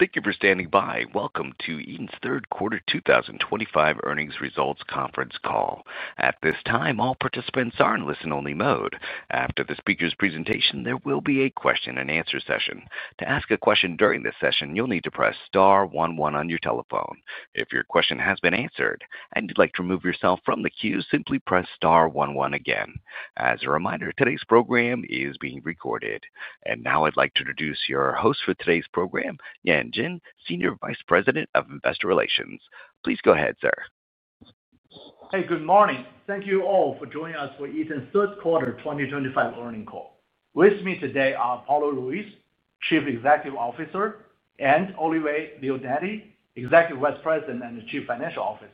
Thank you for standing by. Welcome to Eaton's third quarter 2025 earnings results conference call. At this time, all participants are in listen-only mode. After the speaker's presentation, there will be a question-and-answer session. To ask a question during this session, you'll need to press star one one on your telephone. If your question has been answered and you'd like to remove yourself from the queue, simply press star one one again. As a reminder, today's program is being recorded. And now I'd like to introduce your host for today's program, Yan Jin, Senior Vice President of Investor Relations. Please go ahead, sir. Hey, good morning. Thank you all for joining us for Eaton's third quarter 2025 earnings call. With me today are Paulo Ruiz, Chief Executive Officer, and Olivier Leonetti, Executive Vice President and Chief Financial Officer.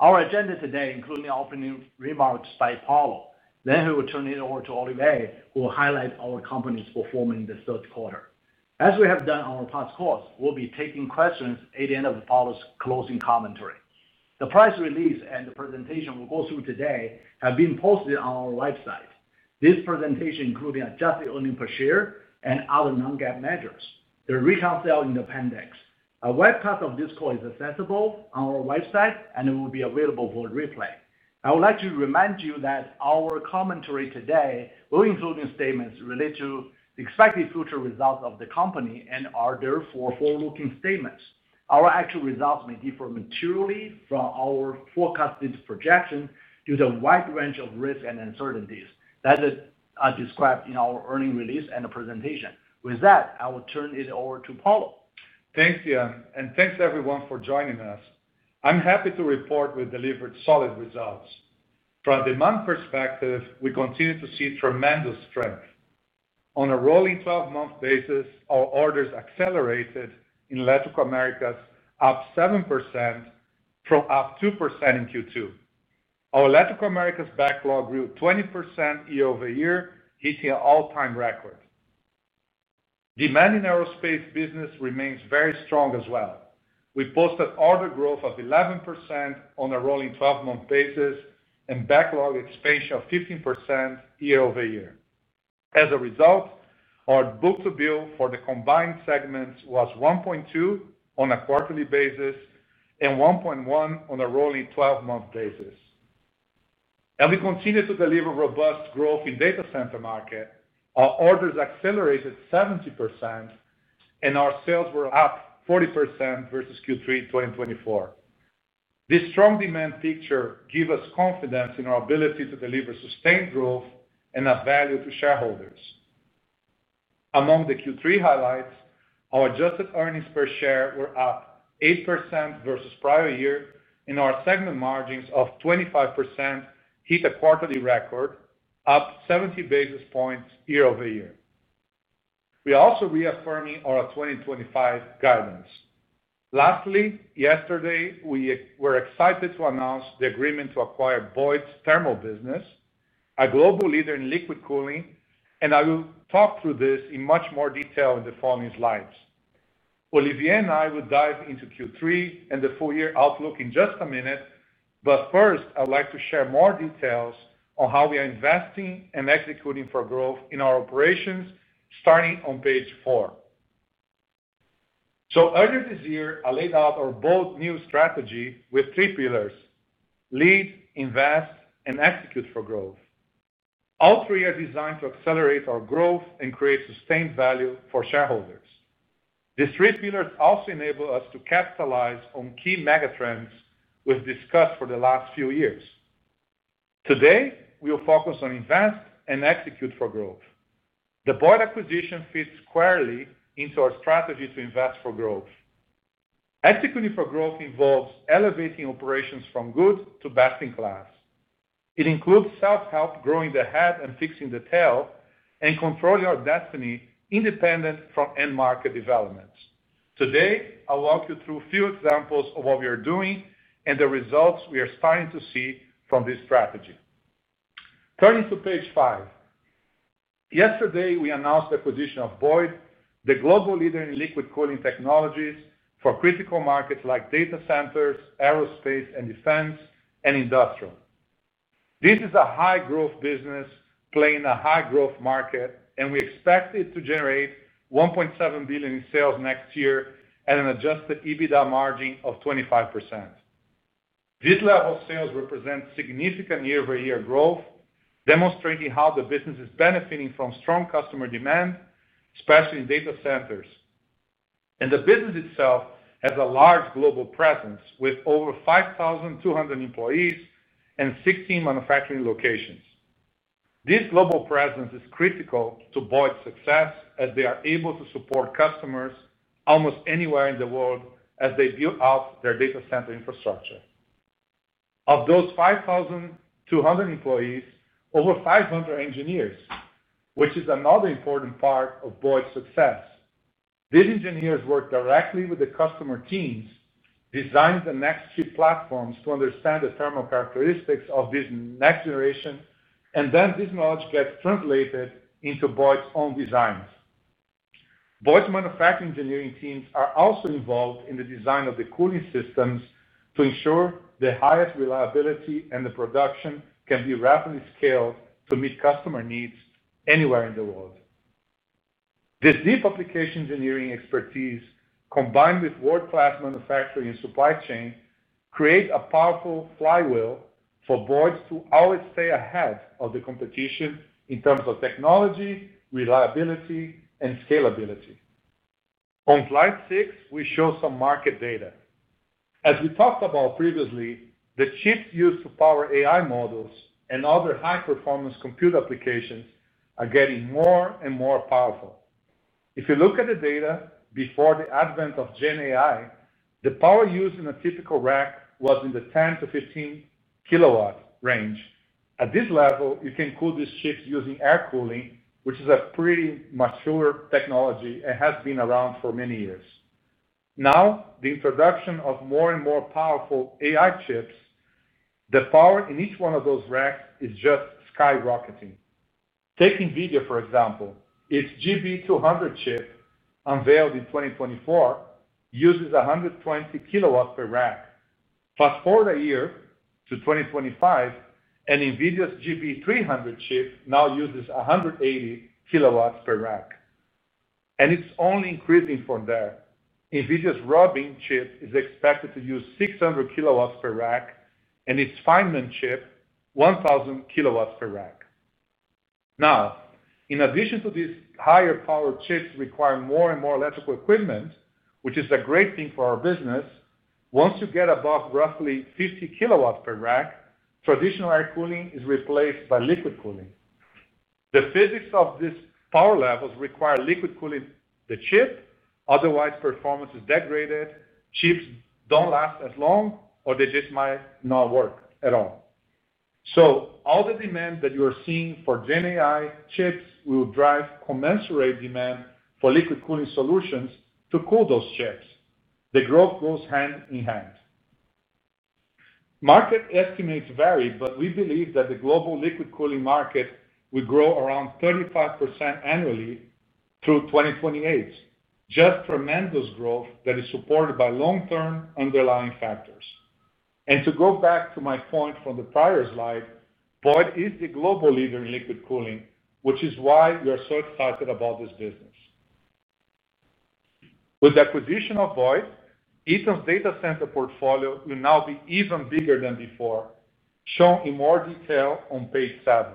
Our agenda today includes opening remarks by Paulo. Then he will turn it over to Olivier, who will highlight our company's performance in the third quarter. As we have done in our past calls, we'll be taking questions at the end of Paulo's closing commentary. The press release and the presentation we'll go through today have been posted on our website. This presentation includes adjusted earnings per share and other non-GAAP measures. The reconciliation in the appendix. A webcast of this call is accessible on our website, and it will be available for replay. I would like to remind you that our commentary today will include statements related to the expected future results of the company and are therefore forward-looking statements. Our actual results may differ materially from our forecasted projections due to a wide range of risks and uncertainties that are described in our earnings release and the presentation. With that, I will turn it over to Paulo. Thanks, Yan. And thanks, everyone, for joining us. I'm happy to report we've delivered solid results. From a demand perspective, we continue to see tremendous strength. On a rolling 12-month basis, our orders accelerated in Latin America up 7% from up 2% in Q2. Our Latin America backlog grew 20% year-over-year, hitting an all-time record. Demand in aerospace business remains very strong as well. We posted order growth of 11% on a rolling 12-month basis and backlog expansion of 15% year-over-year. As a result, our book-to-bill for the combined segments was 1.2 on a quarterly basis and 1.1 on a rolling 12-month basis. As we continue to deliver robust growth in the data center market, our orders accelerated 70%, and our sales were up 40% versus Q3 2024. This strong demand picture gives us confidence in our ability to deliver sustained growth and add value to shareholders. Among the Q3 highlights, our adjusted earnings per share were up 8% versus the prior year, and our segment margins of 25% hit a quarterly record, up 70 basis points year-over-year. We are also reaffirming our 2025 guidance. Lastly, yesterday, we were excited to announce the agreement to acquire Boyd's thermal business, a global leader in liquid cooling, and I will talk through this in much more detail in the following slides. Olivier and I will dive into Q3 and the full-year outlook in just a minute, but first, I would like to share more details on how we are investing and executing for growth in our operations, starting on page four. So earlier this year, I laid out our bold new strategy with three pillars: lead, invest, and execute for growth. All three are designed to accelerate our growth and create sustained value for shareholders. The three pillars also enable us to capitalize on key megatrends we've discussed for the last few years. Today, we will focus on invest and execute for growth. The Boyd acquisition fits squarely into our strategy to invest for growth. Executing for growth involves elevating operations from good to best in class. It includes self-help, growing the head and fixing the tail, and controlling our destiny independent from end-market developments. Today, I'll walk you through a few examples of what we are doing and the results we are starting to see from this strategy. Turning to page five. Yesterday, we announced the acquisition of Boyd, the global leader in Liquid Cooling Technologies for critical markets like data centers, Aerospace and Defense, and industrial. This is a high-growth business playing in a high-growth market, and we expect it to generate $1.7 billion in sales next year at an Adjusted EBITDA margin of 25%. This level of sales represents significant year-over-year growth, demonstrating how the business is benefiting from strong customer demand, especially in data centers. And the business itself has a large global presence with over 5,200 employees and 16 manufacturing locations. This global presence is critical to Boyd's success as they are able to support customers almost anywhere in the world as they build out their data center infrastructure. Of those 5,200 employees, over 500 are engineers, which is another important part of Boyd's success. These engineers work directly with the customer teams, designing the next chip platforms to understand the thermal characteristics of this next generation, and then this knowledge gets translated into Boyd's own designs. Boyd's manufacturing engineering teams are also involved in the design of the cooling systems to ensure the highest reliability and the production can be rapidly scaled to meet customer needs anywhere in the world. This deep application engineering expertise, combined with world-class manufacturing and supply chain, creates a powerful flywheel for Boyd to always stay ahead of the competition in terms of technology, reliability, and scalability. On slide six, we show some market data. As we talked about previously, the chips used to power AI models and other high-performance compute applications are getting more and more powerful. If you look at the data before the advent of GenAI, the power used in a typical rack was in the 10-15 kW range. At this level, you can cool these chips using Air Cooling, which is a pretty mature technology and has been around for many years. Now, the introduction of more and more powerful AI chips, the power in each one of those racks is just skyrocketing. Take NVIDIA, for example. Its GB200 chip, unveiled in 2024, uses 120 kW/rack. Fast forward a year to 2025, and NVIDIA's GB300 chip now uses 180 kW/rack. And it's only increasing from there. NVIDIA's Rubin chip is expected to use 600 kW/rack, and its Feynman chip, 1,000 kW/rack. Now, in addition to this, higher power chips require more and more electrical equipment, which is a great thing for our business. Once you get above roughly 50 kW/rack, traditional Air Cooling is replaced by Liquid Cooling. The physics of these power levels require Liquid Cooling the chip; otherwise, performance is degraded, chips don't last as long, or they just might not work at all. So all the demand that you are seeing for GenAI chips will drive commensurate demand for Liquid Cooling solutions to cool those chips. The growth goes hand in hand. Market estimates vary, but we believe that the global Liquid Cooling market will grow around 35% annually through 2028, just tremendous growth that is supported by long-term underlying factors. And to go back to my point from the prior slide, Boyd is the global leader in Liquid Cooling, which is why we are so excited about this business. With the acquisition of Boyd, Eaton's data center portfolio will now be even bigger than before, shown in more detail on page seven.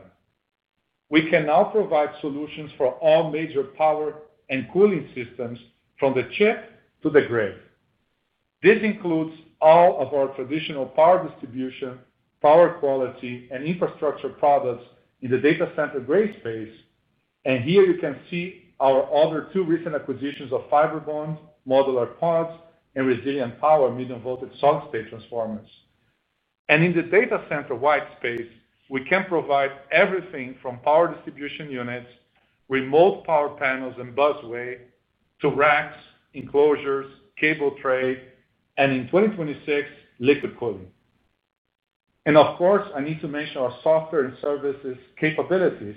We can now provide solutions for all major power and cooling systems from the chip to the grid. This includes all of our traditional power distribution, power quality, and infrastructure products in the data center gray space. And here you can see our other two recent acquisitions of FibreBond, modular pods, and Resilient Power medium-voltage solid-state transformers. And in the data center white space, we can provide everything from power distribution units, remote power panels, and busway to racks, enclosures, cable tray, and in 2026, Liquid Cooling. And of course, I need to mention our software and services capabilities,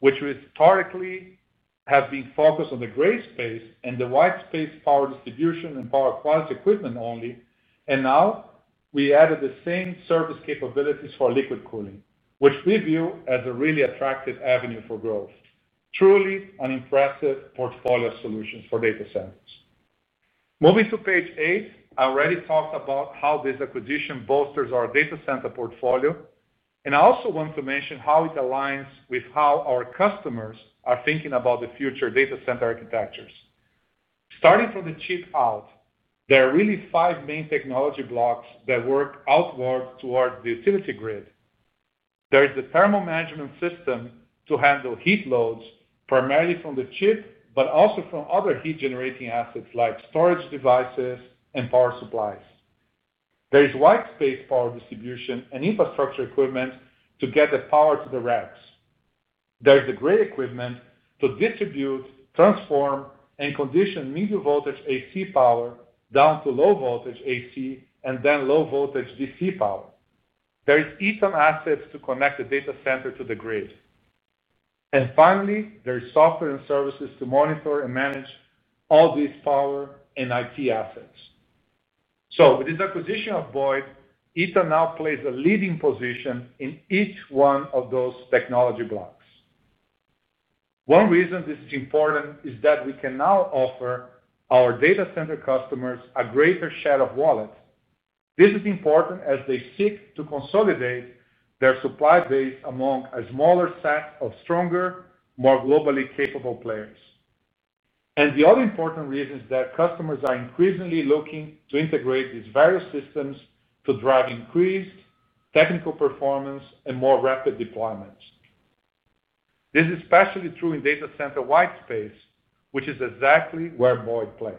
which historically have been focused on the gray space and the white space power distribution and power quality equipment only. And now we added the same service capabilities for Liquid Cooling, which we view as a really attractive avenue for growth. Truly an impressive portfolio of solutions for data centers. Moving to page eight, I already talked about how this acquisition bolsters our data center portfolio. And I also want to mention how it aligns with how our customers are thinking about the future data center architectures. Starting from the chip out, there are really five main technology blocks that work outward towards the utility grid. There is the thermal management system to handle heat loads primarily from the chip, but also from other heat-generating assets like storage devices and power supplies. There is white space power distribution and infrastructure equipment to get the power to the racks. There's the gray equipment to distribute, transform, and condition medium-voltage AC power down to low-voltage AC and then low-voltage DC power. There are Eaton assets to connect the data center to the grid. And finally, there are software and services to monitor and manage all these power and IT assets. So with this acquisition of Boyd, Eaton now plays a leading position in each one of those technology blocks. One reason this is important is that we can now offer our data center customers a greater share of wallets. This is important as they seek to consolidate their supply base among a smaller set of stronger, more globally capable players. And the other important reason is that customers are increasingly looking to integrate these various systems to drive increased technical performance and more rapid deployments. This is especially true in data center white space, which is exactly where Boyd plays.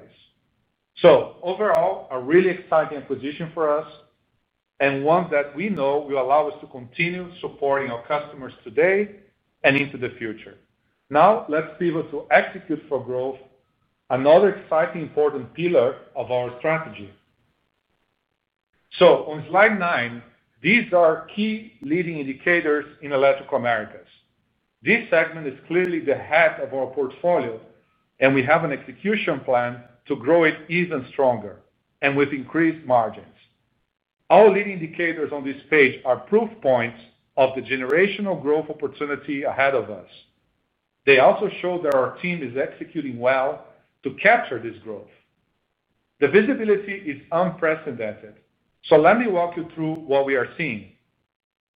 So overall, a really exciting acquisition for us. And one that we know will allow us to continue supporting our customers today and into the future. Now, let's pivot to execute for growth, another exciting important pillar of our strategy. So on slide nine, these are key leading indicators in Latin America. This segment is clearly the head of our portfolio, and we have an execution plan to grow it even stronger and with increased margins. All leading indicators on this page are proof points of the generational growth opportunity ahead of us. They also show that our team is executing well to capture this growth. The visibility is unprecedented. So let me walk you through what we are seeing.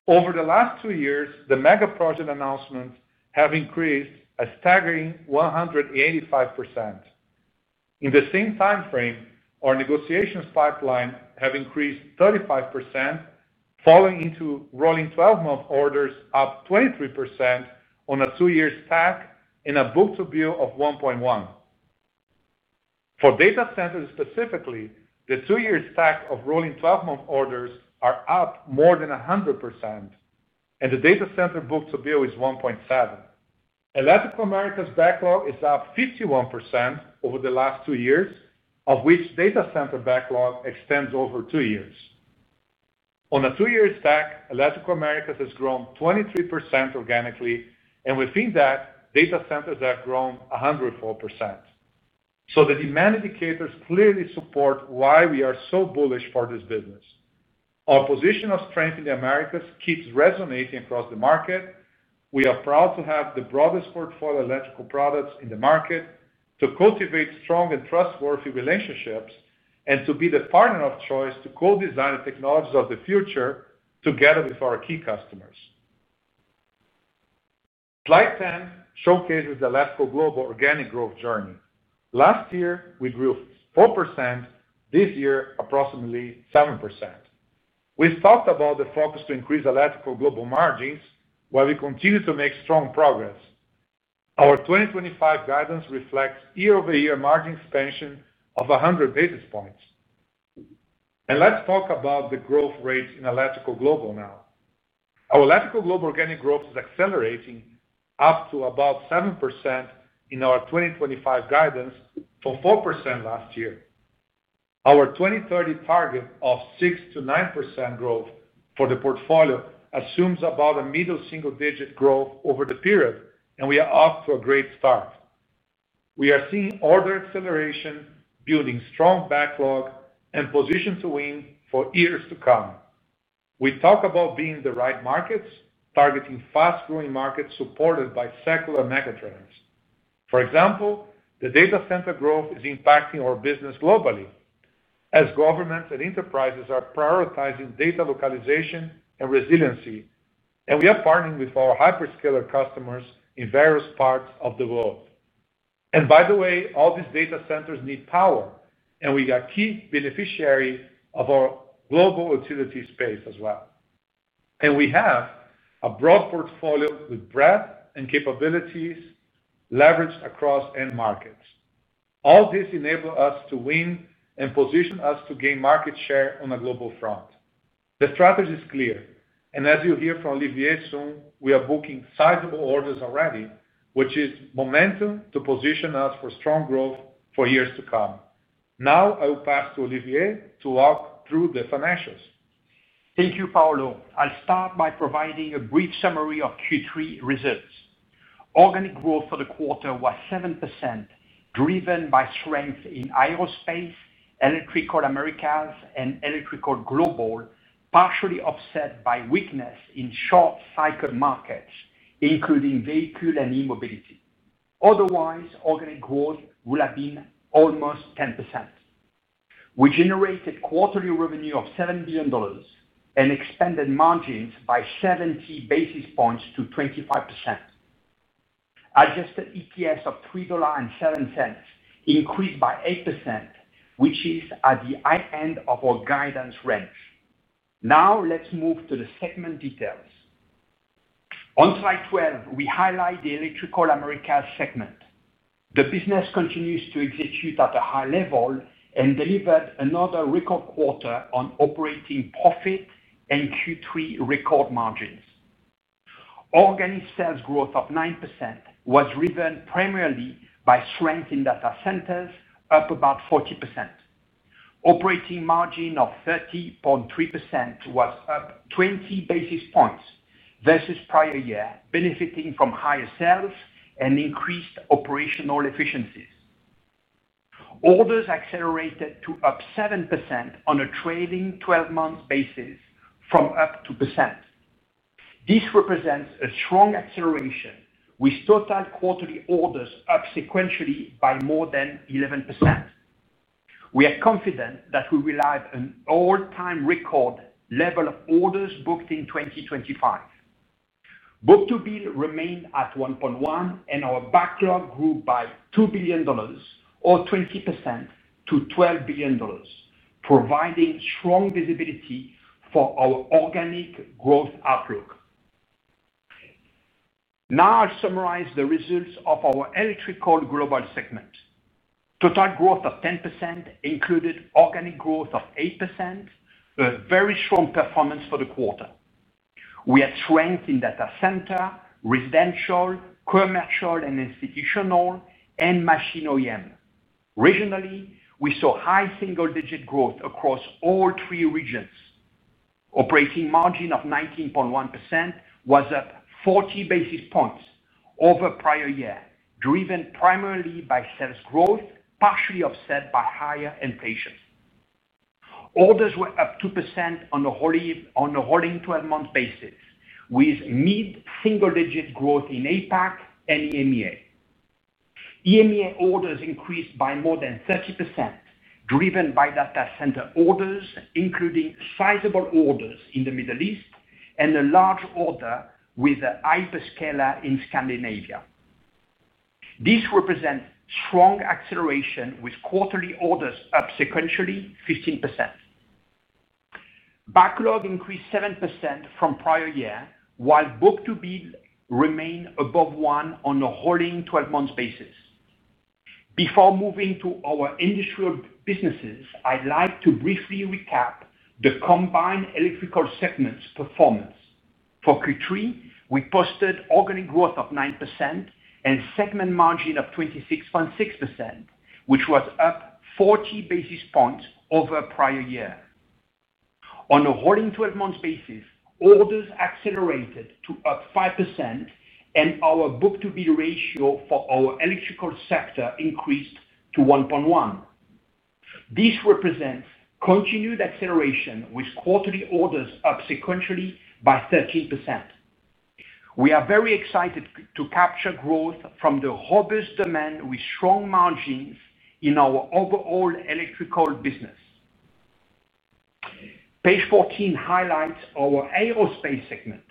Over the last two years, the mega project announcements have increased a staggering 185%. In the same time frame, our negotiations pipeline have increased 35%. Falling into rolling 12-month orders up 23% on a two-year stack and a book-to-bill of 1.1. For data centers specifically, the two-year stack of rolling 12-month orders are up more than 100%. And the data center book-to-bill is 1.7. Electrical Americas' backlog is up 51% over the last two years, of which data center backlog extends over two years. On a two-year stack, Electrical Americas has grown 23% organically, and within that, data centers have grown 104%. So the demand indicators clearly support why we are so bullish for this business. Our position of strength in the Americas keeps resonating across the market. We are proud to have the broadest portfolio of electrical products in the market, to cultivate strong and trustworthy relationships, and to be the partner of choice to co-design the technologies of the future together with our key customers. Slide 10 showcases the electrical global organic growth journey. Last year, we grew 4%. This year, approximately 7%. We've talked about the focus to increase electrical global margins, while we continue to make strong progress. Our 2025 guidance reflects year-over-year margin expansion of 100 basis points. And let's talk about the growth rates in electrical global now. Our electrical global organic growth is accelerating up to about 7% in our 2025 guidance from 4% last year. Our 2030 target of 6%-9% growth for the portfolio assumes about a middle single-digit growth over the period, and we are off to a great start. We are seeing order acceleration, building strong backlog, and position to win for years to come. We talk about being the right markets, targeting fast-growing markets supported by secular megatrends. For example, the data center growth is impacting our business globally, as governments and enterprises are prioritizing data localization and resiliency, and we are partnering with our hyperscaler customers in various parts of the world. And by the way, all these data centers need power, and we are a key beneficiary of our global utility space as well. And we have a broad portfolio with breadth and capabilities leveraged across end markets. All this enables us to win and positions us to gain market share on a global front. The strategy is clear. And as you'll hear from Olivier soon, we are booking sizable orders already, which is momentum to position us for strong growth for years to come. Now, I will pass to Olivier to walk through the financials. Thank you, Paulo. I'll start by providing a brief summary of Q3 results. Organic growth for the quarter was 7%, driven by strength in aerospace, Electrical Americas, and electrical global, partially offset by weakness in short-cycle markets, including vehicle and e-mobility. Otherwise, organic growth would have been almost 10%. We generated quarterly revenue of $7 billion and expanded margins by 70 basis points to 25%. Adjusted EPS of $3.07 increased by 8%, which is at the high end of our guidance range. Now, let's move to the segment details. On slide 12, we highlight the Electrical Americas segment. The business continues to execute at a high level and delivered another record quarter on operating profit and Q3 record margins. Organic sales growth of 9% was driven primarily by strength in data centers, up about 40%. Operating margin of 30.3% was up 20 basis points versus prior year, benefiting from higher sales and increased operational efficiencies. Orders accelerated to up 7% on a trailing 12-month basis from up 2%. This represents a strong acceleration, with total quarterly orders up sequentially by more than 11%. We are confident that we will have an all-time record level of orders booked in 2025. Book-to-bill remained at 1.1, and our backlog grew by $2 billion, or 20% to $12 billion, providing strong visibility for our organic growth outlook. Now, I'll summarize the results of our Electrical Global segment. Total growth of 10% included organic growth of 8%. A very strong performance for the quarter. We had strength in data center, residential, commercial, and institutional, and machine OEM. Regionally, we saw high single-digit growth across all three regions. Operating margin of 19.1% was up 40 basis points over prior year, driven primarily by sales growth, partially offset by higher inflation. Orders were up 2% on a rolling 12-month basis, with mid-single-digit growth in APAC and EMEA. EMEA orders increased by more than 30%, driven by data center orders, including sizable orders in the Middle East and a large order with a hyperscaler in Scandinavia. This represents strong acceleration, with quarterly orders up sequentially 15%. Backlog increased 7% from prior year, while book-to-bill remained above 1 on a rolling 12-month basis. Before moving to our industrial businesses, I'd like to briefly recap the combined electrical segments performance. For Q3, we posted organic growth of 9% and segment margin of 26.6%, which was up 40 basis points over a prior year. On a rolling 12-month basis, orders accelerated to up 5%, and our book-to-bill ratio for our electrical sector increased to 1.1. This represents continued acceleration, with quarterly orders up sequentially by 13%. We are very excited to capture growth from the robust demand with strong margins in our overall electrical business. Page 14 highlights our aerospace segment.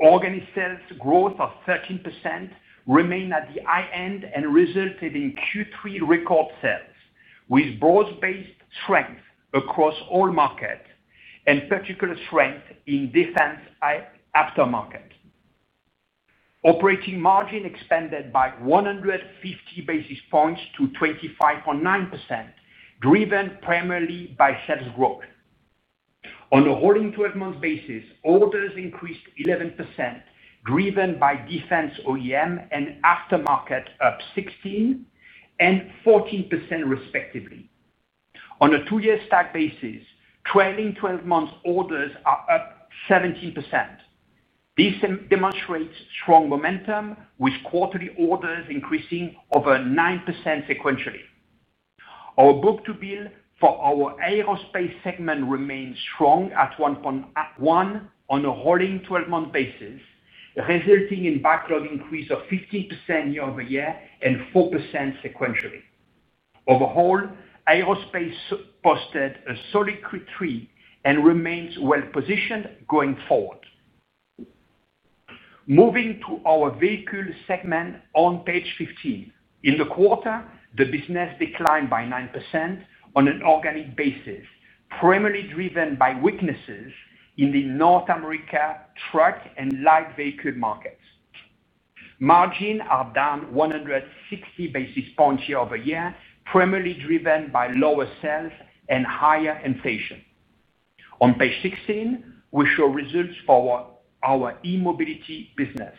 Organic sales growth of 13% remained at the high end and resulted in Q3 record sales, with broad-based strength across all markets and particular strength in defense aftermarket. Operating margin expanded by 150 basis points to 25.9%, driven primarily by sales growth. On a rolling 12-month basis, orders increased 11%, driven by defense OEM and aftermarket up 16% and 14%, respectively. On a two-year stack basis, trailing 12-month orders are up 17%. This demonstrates strong momentum, with quarterly orders increasing over 9% sequentially. Our book-to-bill for our aerospace segment remains strong at 1.1 on a rolling 12-month basis, resulting in backlog increase of 15% year-over-year and 4% sequentially. Overall, aerospace posted a solid Q3 and remains well-positioned going forward. Moving to our vehicle segment on page 15. In the quarter, the business declined by 9% on an organic basis, primarily driven by weaknesses in the North America truck and light vehicle markets. Margins are down 160 basis points year-over-year, primarily driven by lower sales and higher inflation. On page 16, we show results for our e-mobility business.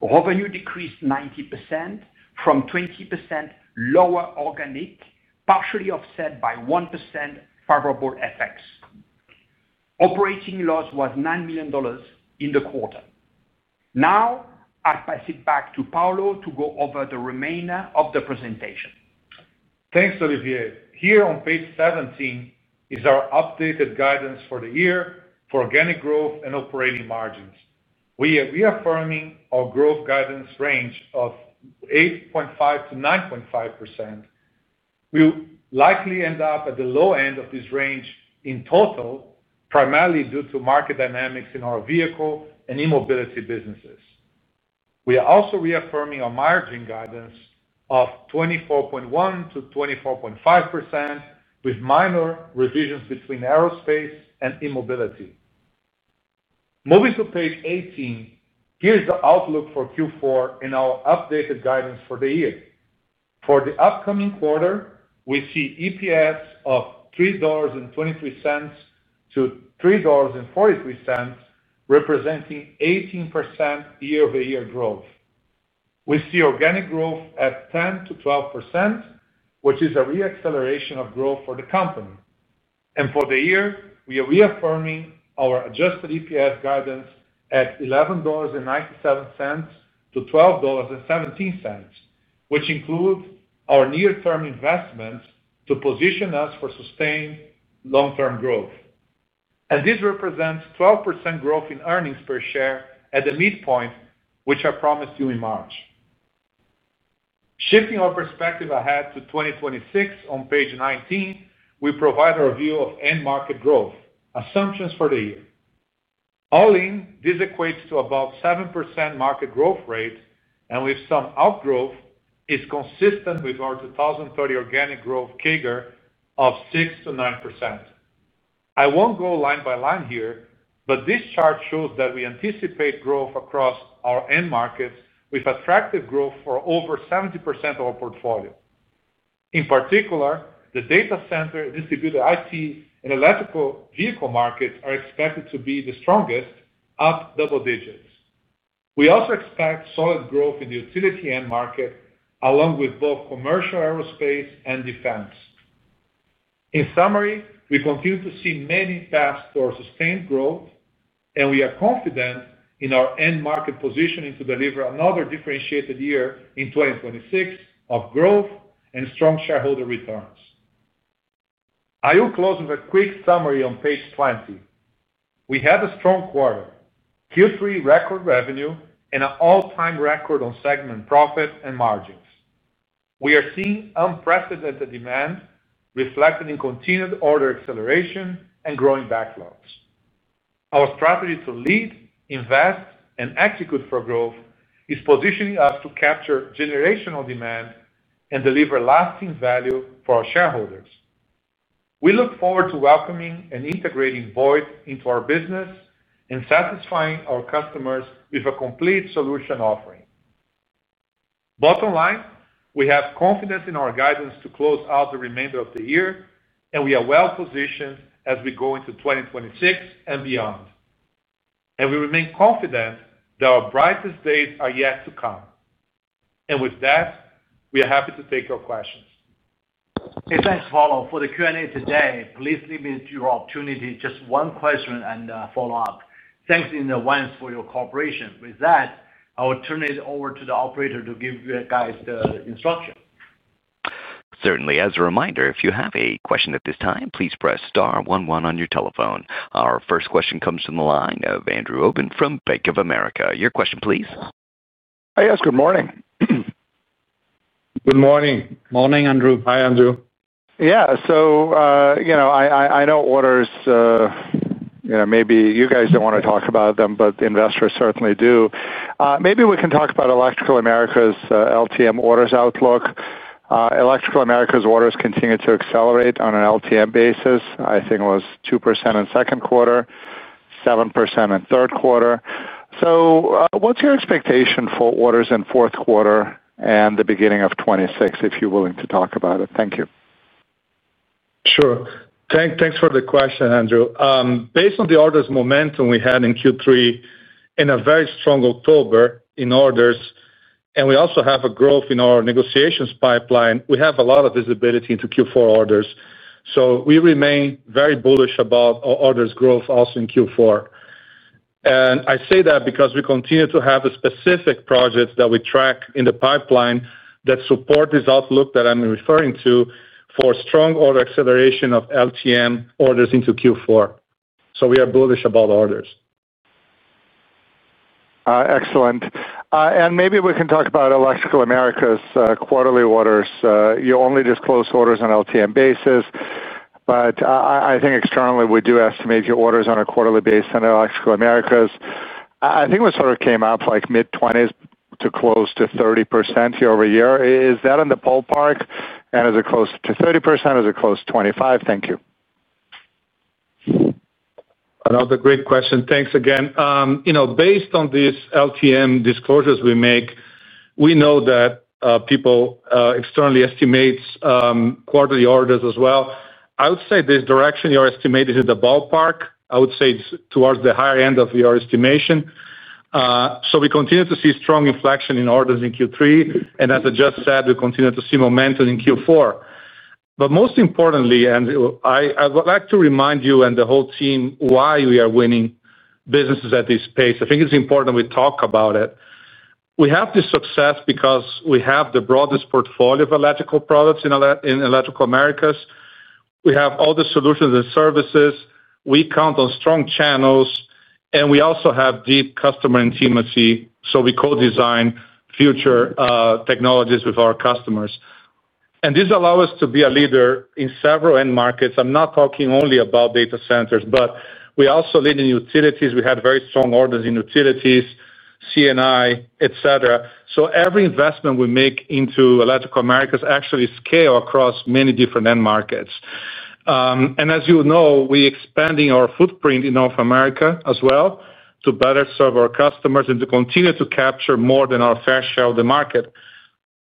Revenue decreased 20% on an organic basis, partially offset by 1% favorable effects. Operating loss was $9 million in the quarter. Now, I'll pass it back to Paulo to go over the remainder of the presentation. Thanks, Olivier. Here on page 17 is our updated guidance for the year for organic growth and operating margins. We are reaffirming our growth guidance range of 8.5%-9.5%. We'll likely end up at the low end of this range in total, primarily due to market dynamics in our vehicle and e-mobility businesses. We are also reaffirming our margin guidance of 24.1%-24.5%, with minor revisions between aerospace and e-mobility. Moving to page 18, here's the outlook for Q4 in our updated guidance for the year. For the upcoming quarter, we see EPS of $3.23-$3.43, representing 18% year-over-year growth. We see organic growth at 10%-12%, which is a re-acceleration of growth for the company. And for the year, we are reaffirming our Adjusted EPS guidance at $11.97-$12.17, which includes our near-term investments to position us for sustained long-term growth. And this represents 12% growth in earnings per share at the midpoint, which I promised you in March. Shifting our perspective ahead to 2026 on page 19, we provide a review of end market growth assumptions for the year. All in, this equates to about 7% market growth rate, and with some outgrowth, it's consistent with our 2030 organic growth CAGR of 6%-9%. I won't go line by line here, but this chart shows that we anticipate growth across our end markets, with attractive growth for over 70% of our portfolio. In particular, the data center, distributed IT, and electric vehicle markets are expected to be the strongest, up double digits. We also expect solid growth in the utility end market, along with both commercial aerospace and defense. In summary, we continue to see many paths for sustained growth, and we are confident in our end market positioning to deliver another differentiated year in 2026 of growth and strong shareholder returns. I'll close with a quick summary on page 20. We had a strong quarter, Q3 record revenue, and an all-time record on segment profit and margins. We are seeing unprecedented demand, reflected in continued order acceleration and growing backlogs. Our strategy to lead, invest, and execute for growth is positioning us to capture generational demand and deliver lasting value for our shareholders. We look forward to welcoming and integrating Voith into our business. And satisfying our customers with a complete solution offering. Bottom line, we have confidence in our guidance to close out the remainder of the year, and we are well-positioned as we go into 2026 and beyond. And we remain confident that our brightest days are yet to come. And with that, we are happy to take your questions. Hey, thanks, Paulo. For the Q&A today, please limit to one question and a follow-up. Thanks in advance for your cooperation. With that, I will turn it over to the operator to give you guys the instructions. Certainly. As a reminder, if you have a question at this time, please press star one one on your telephone. Our first question comes from the line of Andrew Obin from Bank of America. Your question, please. Hey, yes. Good morning. Good morning. Morning, Andrew. Hi, Andrew. Yeah. So. I know orders. Maybe you guys don't want to talk about them, but investors certainly do. Maybe we can talk about Electrical Americas LTM orders outlook. Electrical Americas orders continue to accelerate on an LTM basis. I think it was 2% in second quarter, 7% in third quarter. So what's your expectation for orders in fourth quarter and the beginning of 2026, if you're willing to talk about it? Thank you. Sure. Thanks for the question, Andrew. Based on the orders momentum we had in Q3, in a very strong October in orders, and we also have a growth in our negotiations pipeline, we have a lot of visibility into Q4 orders. So we remain very bullish about orders growth also in Q4. And I say that because we continue to have the specific projects that we track in the pipeline that support this outlook that I'm referring to for strong order acceleration of LTM orders into Q4. So we are bullish about orders. Excellent. And maybe we can talk about Electrical Americas quarterly orders. You only disclose orders on LTM basis, but I think externally, we do estimate your orders on a quarterly basis on Electrical Americas. I think we sort of came out like mid-20s to close to 30% year-over-year. Is that in the ballpark? And is it close to 30%? Is it close to 25%? Thank you. Another great question. Thanks again. Based on these LTM disclosures we make, we know that people externally estimate quarterly orders as well. I would say this direction you're estimating is in the ballpark. I would say it's towards the higher end of your estimation. So we continue to see strong inflection in orders in Q3. And as I just said, we continue to see momentum in Q4. But most importantly, and I would like to remind you and the whole team why we are winning businesses at this pace. I think it's important we talk about it. We have this success because we have the broadest portfolio of electrical products in Electrical Americas. We have all the solutions and services. We count on strong channels, and we also have deep customer intimacy. So we co-design future technologies with our customers. And this allows us to be a leader in several end markets. I'm not talking only about data centers, but we also lead in utilities. We had very strong orders in utilities, C&I, etc. So every investment we make into Electrical Americas actually scale across many different end markets. And as you know, we are expanding our footprint in North America as well to better serve our customers and to continue to capture more than our fair share of the market.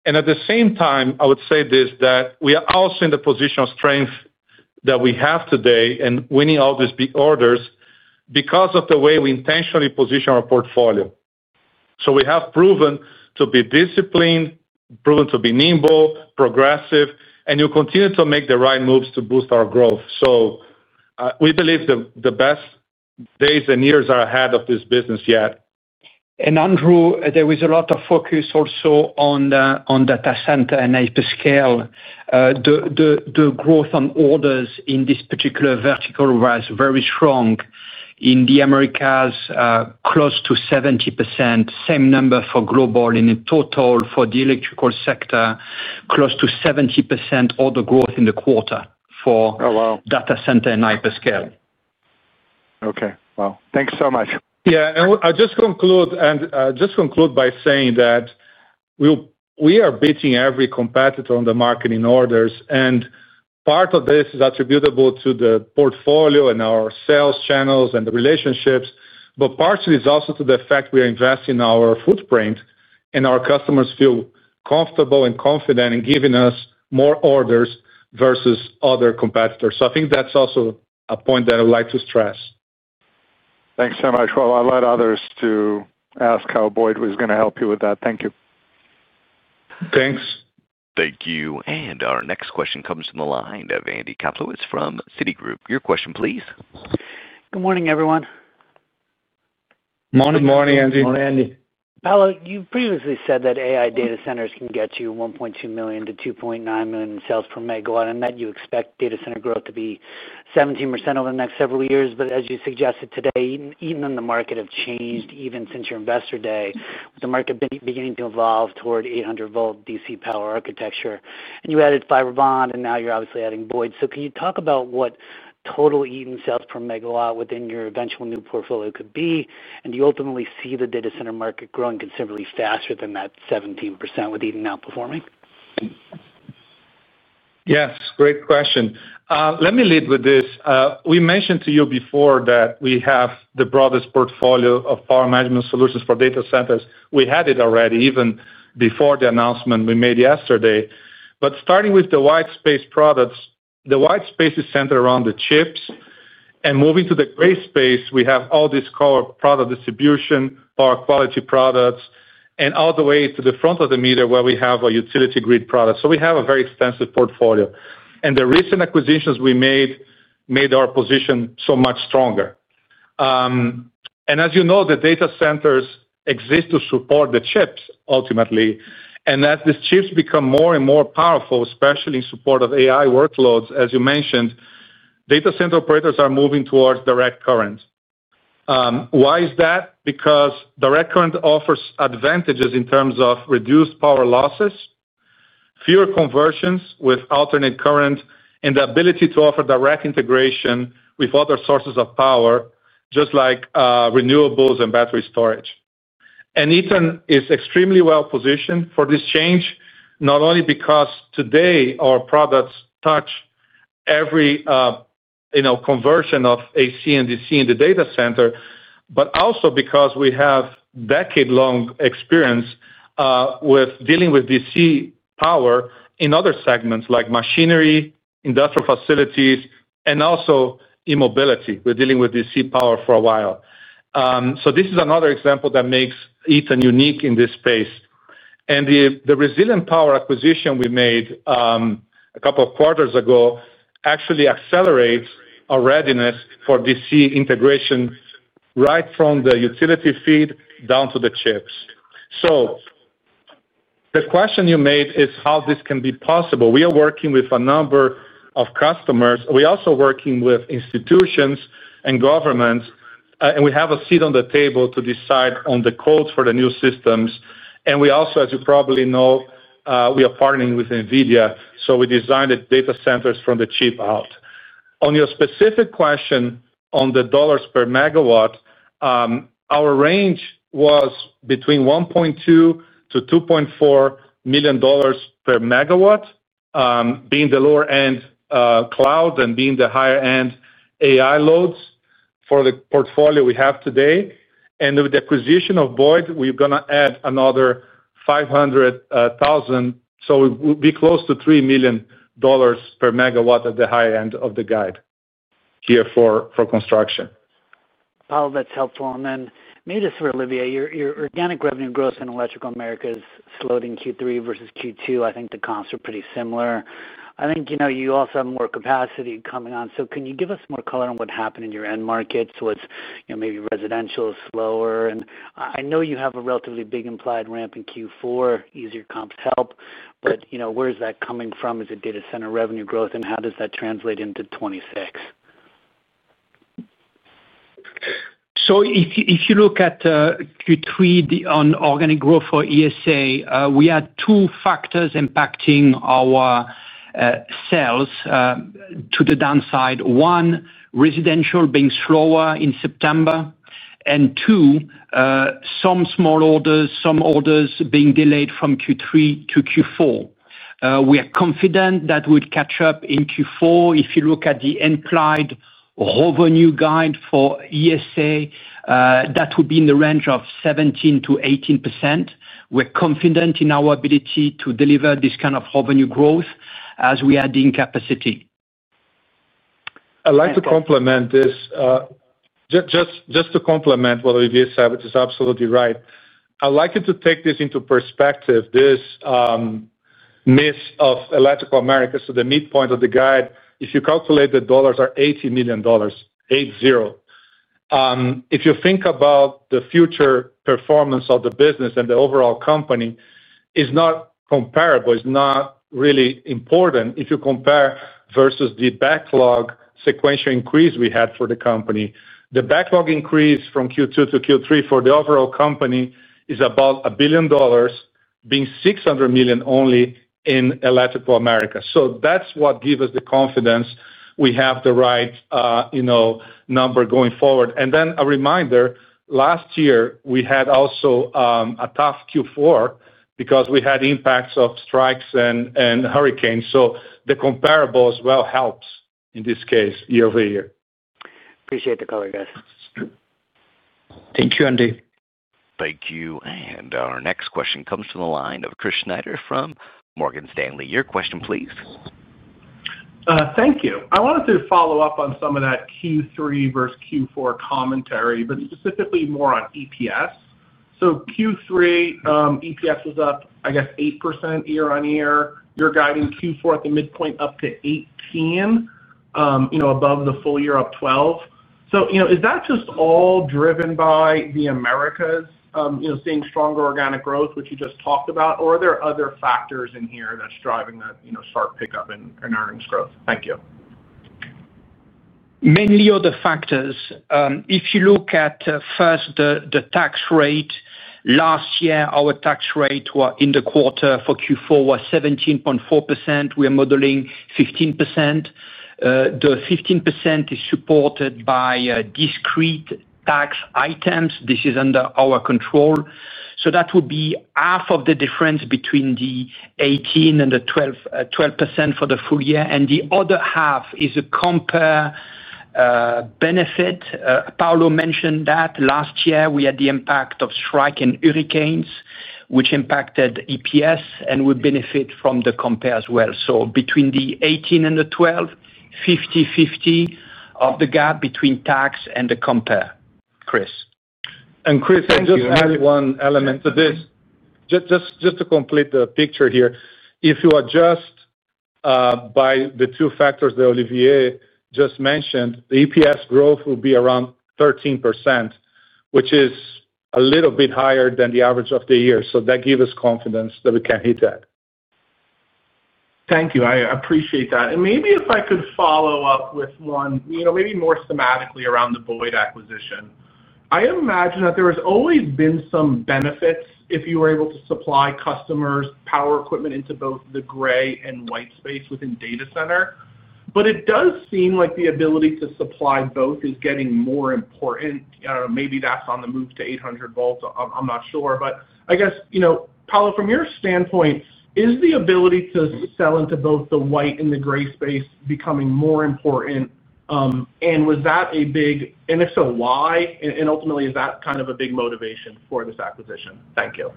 And at the same time, I would say this: that we are also in the position of strength that we have today and winning all these big orders because of the way we intentionally position our portfolio. So we have proven to be disciplined, proven to be nimble, progressive, and we continue to make the right moves to boost our growth. So we believe the best days and years are ahead of this business yet. And Andrew, there was a lot of focus also on data center and hyperscale. The growth on orders in this particular vertical was very strong. In the Americas, close to 70%. Same number for global in total for the electrical sector, close to 70% order growth in the quarter for data center and hyperscale. Okay. Wow. Thanks so much. Yeah. I'll just conclude by saying that we are beating every competitor on the market in orders. And part of this is attributable to the portfolio and our sales channels and the relationships, but partially it's also to the fact we are investing our footprint, and our customers feel comfortable and confident in giving us more orders versus other competitors. So I think that's also a point that I would like to stress. Thanks so much. Well, I'll let others to ask how Voith was going to help you with that. Thank you. Thanks. Thank you. And our next question comes from the line of Andy Kaplowitz from Citigroup. Your question, please. Good morning, everyone. Good morning, Andy. Good morning, Andy. Paulo, you previously said that AI data centers can get you $1.2 million-$2.9 million sales per MW, and that you expect data center growth to be 17% over the next several years. But as you suggested today, even in the market, have changed even since your investor day, with the market beginning to evolve toward 800-volt DC power architecture. And you added FibreBond, and now you're obviously adding Voith. So can you talk about what total Eaton sales per MW within your eventual new portfolio could be? And do you ultimately see the data center market growing considerably faster than that 17% with Eaton outperforming? Yes. Great question. Let me lead with this. We mentioned to you before that we have the broadest portfolio of power management solutions for data centers. We had it already even before the announcement we made yesterday. But starting with the white space products, the white space is centered around the chips. And moving to the gray space, we have all this power product distribution, power quality products, and all the way to the front of the meter where we have our utility grid products. So we have a very extensive portfolio. And the recent acquisitions we made made our position so much stronger. And as you know, the data centers exist to support the chips ultimately. And as these chips become more and more powerful, especially in support of AI workloads, as you mentioned, data center operators are moving towards direct current. Why is that? Because direct current offers advantages in terms of reduced power losses. Fewer conversions with alternating current, and the ability to offer direct integration with other sources of power, just like renewables and battery storage. And Eaton is extremely well-positioned for this change, not only because today our products touch every conversion of AC and DC in the data center, but also because we have a decade-long experience with dealing with DC power in other segments like machinery, industrial facilities, and also e-mobility. We're dealing with DC power for a while. So this is another example that makes Eaton unique in this space. And the Resilient Power acquisition we made a couple of quarters ago actually accelerates our readiness for DC integration right from the utility feed down to the chips. The question you made is how this can be possible. We are working with a number of customers. We're also working with institutions and governments. And we have a seat on the table to decide on the codes for the new systems. And we also, as you probably know, we are partnering with NVIDIA. So we designed data centers from the chip out. On your specific question on the dollars per MW. Our range was between $1.2 million-$2.4 million per MW. Being the lower-end cloud and being the higher-end AI loads for the portfolio we have today. And with the acquisition of Voith, we're going to add another $500,000. So we'll be close to $3 million per MW at the high end of the guide here for construction. Oh, that's helpful. And then maybe just for Olivier, your organic revenue growth in Electrical Americas is slowed in Q3 versus Q2. I think the comps are pretty similar. I think you also have more capacity coming on. So can you give us more color on what happened in your end markets? Was maybe residential slower? And I know you have a relatively big implied ramp in Q4. Easier comps help. But where is that coming from? Is it data center revenue growth? And how does that translate into 2026? So if you look at. Q3 on organic growth for ESA, we had two factors impacting our sales to the downside. One, residential being slower in September. And two, some small orders being delayed from Q3 to Q4. We are confident that we would catch up in Q4. If you look at the implied revenue guide for ESA, that would be in the range of 17%-18%. We're confident in our ability to deliver this kind of revenue growth as we're adding capacity. I'd like to complement this. Just to complement what Olivier said, which is absolutely right. I'd like you to take this into perspective, this miss of Electrical Americas. So the midpoint of the guide, if you calculate the dollars, is $80 million. If you think about the future performance of the business and the overall company, it's not comparable. It's not really important if you compare versus the backlog sequential increase we had for the company. The backlog increase from Q2-Q3 for the overall company is about $1 billion, being $600 million only in Electrical Americas. So that's what gives us the confidence we have the right number going forward. And then a reminder, last year, we had also a tough Q4 because we had impacts of strikes and hurricanes. So the comparables will help in this case, year-over-year. Appreciate the call, guys. Thank you, Andy. Thank you. And our next question comes from the line of Chris Snyder from Morgan Stanley. Your question, please. Thank you. I wanted to follow up on some of that Q3 versus Q4 commentary, but specifically more on EPS. So Q3 EPS was up, I guess, 8% year-over-year. You're guiding Q4 at the midpoint up 18%. Above the full year up 12%. So is that just all driven by the Americas seeing stronger organic growth, which you just talked about? Or are there other factors in here that's driving that sharp pickup in earnings growth? Thank you. Mainly other factors. If you look at first the tax rate, last year, our tax rate in the quarter for Q4 was 17.4%. We are modeling 15%. The 15% is supported by discrete tax items. This is under our control. So that would be half of the difference between the 18% and the 12% for the full year. And the other half is a comparable benefit. Paulo mentioned that last year we had the impact of strikes and hurricanes, which impacted EPS, and we benefit from the comparable as well. So between the 18% and the 12%, 50/50 of the gap between tax and the comparable, Chris. And Chris, I just had one element to this. Just to complete the picture here, if you adjust by the two factors that Olivier just mentioned, the EPS growth will be around 13%, which is a little bit higher than the average of the year. So that gives us confidence that we can hit that. Thank you. I appreciate that. Maybe if I could follow up with one, maybe more thematically around the Voith acquisition. I imagine that there has always been some benefits if you were able to supply customers' power equipment into both the gray and white space within data center. But it does seem like the ability to supply both is getting more important. Maybe that's on the move to 800 volts. I'm not sure. But I guess Paulo, from your standpoint, is the ability to sell into both the white and the gray space becoming more important? And was that a big one, and if so, why? And ultimately, is that kind of a big motivation for this acquisition? Thank you.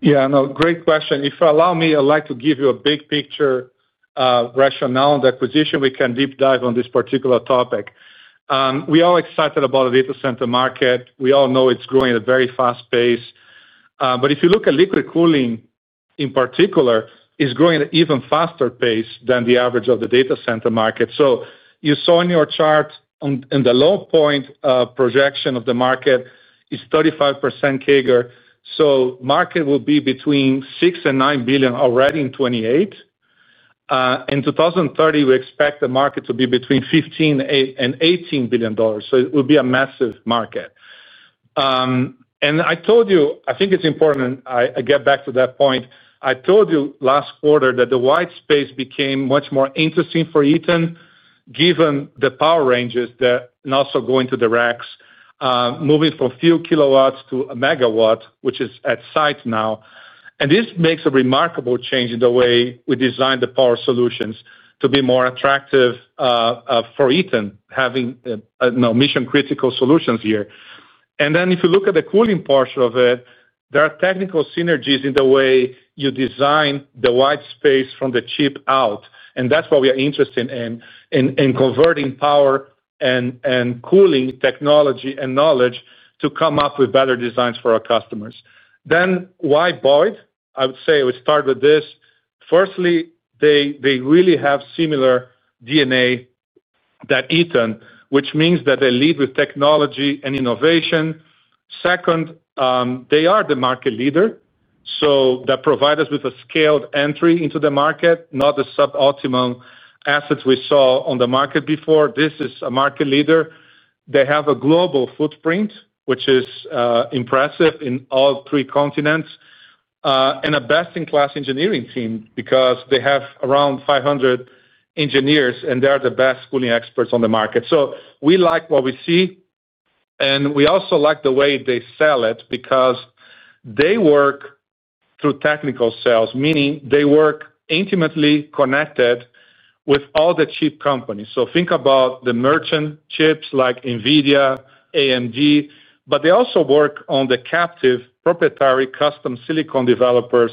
Yeah. No, great question. If you allow me, I'd like to give you a big picture rationale on the acquisition. We can deep dive on this particular topic. We are all excited about the data center market. We all know it's growing at a very fast pace. But if you look at Liquid Cooling in particular, it's growing at an even faster pace than the average of the data center market. So you saw in your chart in the low point projection of the market is 35% CAGR. So the market will be between $6 billion and $9 billion already in 2028. In 2030, we expect the market to be between $15 billion and $18 billion. So it will be a massive market. And I told you, I think it's important. I get back to that point. I told you last quarter that the white space became much more interesting for Eaton given the power ranges that are also going to the racks, moving from few kW to 1 MW, which is at site now. And this makes a remarkable change in the way we design the power solutions to be more attractive for Eaton, having mission-critical solutions here. And then if you look at the cooling portion of it, there are technical synergies in the way you design the white space from the chip out. And that's what we are interested in, in converting power and cooling technology and knowledge to come up with better designs for our customers. Then why Voith? I would say we start with this. Firstly, they really have similar DNA to Eaton, which means that they lead with technology and innovation. Second, they are the market leader. So that provides us with a scaled entry into the market, not the suboptimal assets we saw on the market before. This is a market leader. They have a global footprint, which is impressive in all three continents. And a best-in-class engineering team because they have around 500 engineers, and they are the best cooling experts on the market. So we like what we see. And we also like the way they sell it because they work through technical sales, meaning they work intimately connected with all the chip companies. So think about the merchant chips like NVIDIA, AMD, but they also work on the captive proprietary custom silicon developers,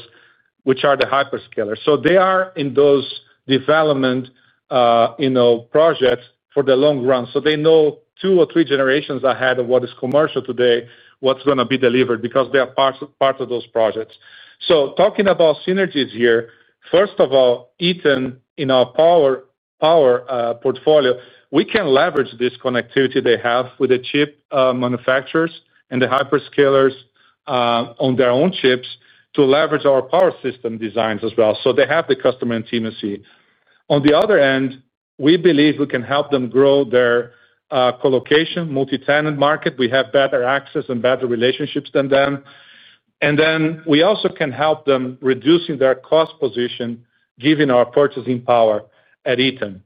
which are the hyperscalers. So they are in those development projects for the long run. So they know two or three generations ahead of what is commercial today, what's going to be delivered because they are part of those projects. So talking about synergies here, first of all, Eaton in our power portfolio, we can leverage this connectivity they have with the chip manufacturers and the hyperscalers on their own chips to leverage our power system designs as well. So they have the customer intimacy. On the other end, we believe we can help them grow their colocation, multi-tenant market. We have better access and better relationships than them. And then we also can help them reduce their cost position, given our purchasing power at Eaton.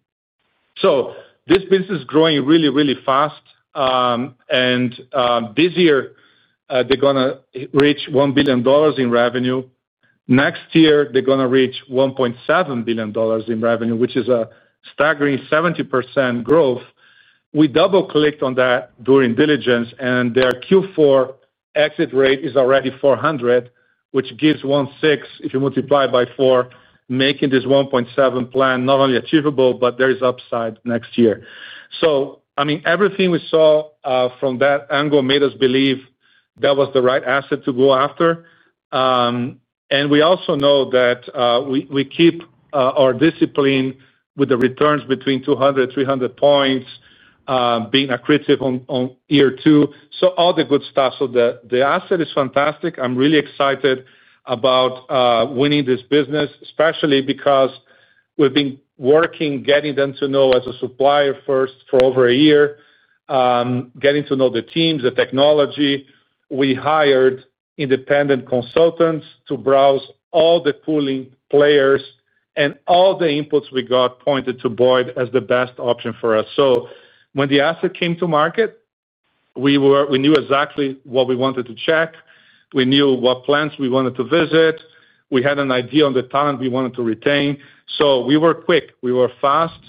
So this business is growing really, really fast. And this year, they're going to reach $1 billion in revenue. Next year, they're going to reach $1.7 billion in revenue, which is a staggering 70% growth. We double-clicked on that during diligence, and their Q4 exit rate is already $400 million, which gives $1.6 billion if you multiply by 4, making this $1.7 billion plan not only achievable, but there is upside next year. So, I mean, everything we saw from that angle made us believe that was the right asset to go after. And we also know that we keep our discipline with the returns between 200-300 points, being accretive in year two. So all the good stuff. So the asset is fantastic. I'm really excited about winning this business, especially because we've been working, getting to know them as a supplier first for over a year, getting to know the teams, the technology. We hired independent consultants to review all the cooling players and all the inputs we got pointed to Boyd as the best option for us. So when the asset came to market, we knew exactly what we wanted to check. We knew what plants we wanted to visit. We had an idea on the talent we wanted to retain. So we were quick. We were fast.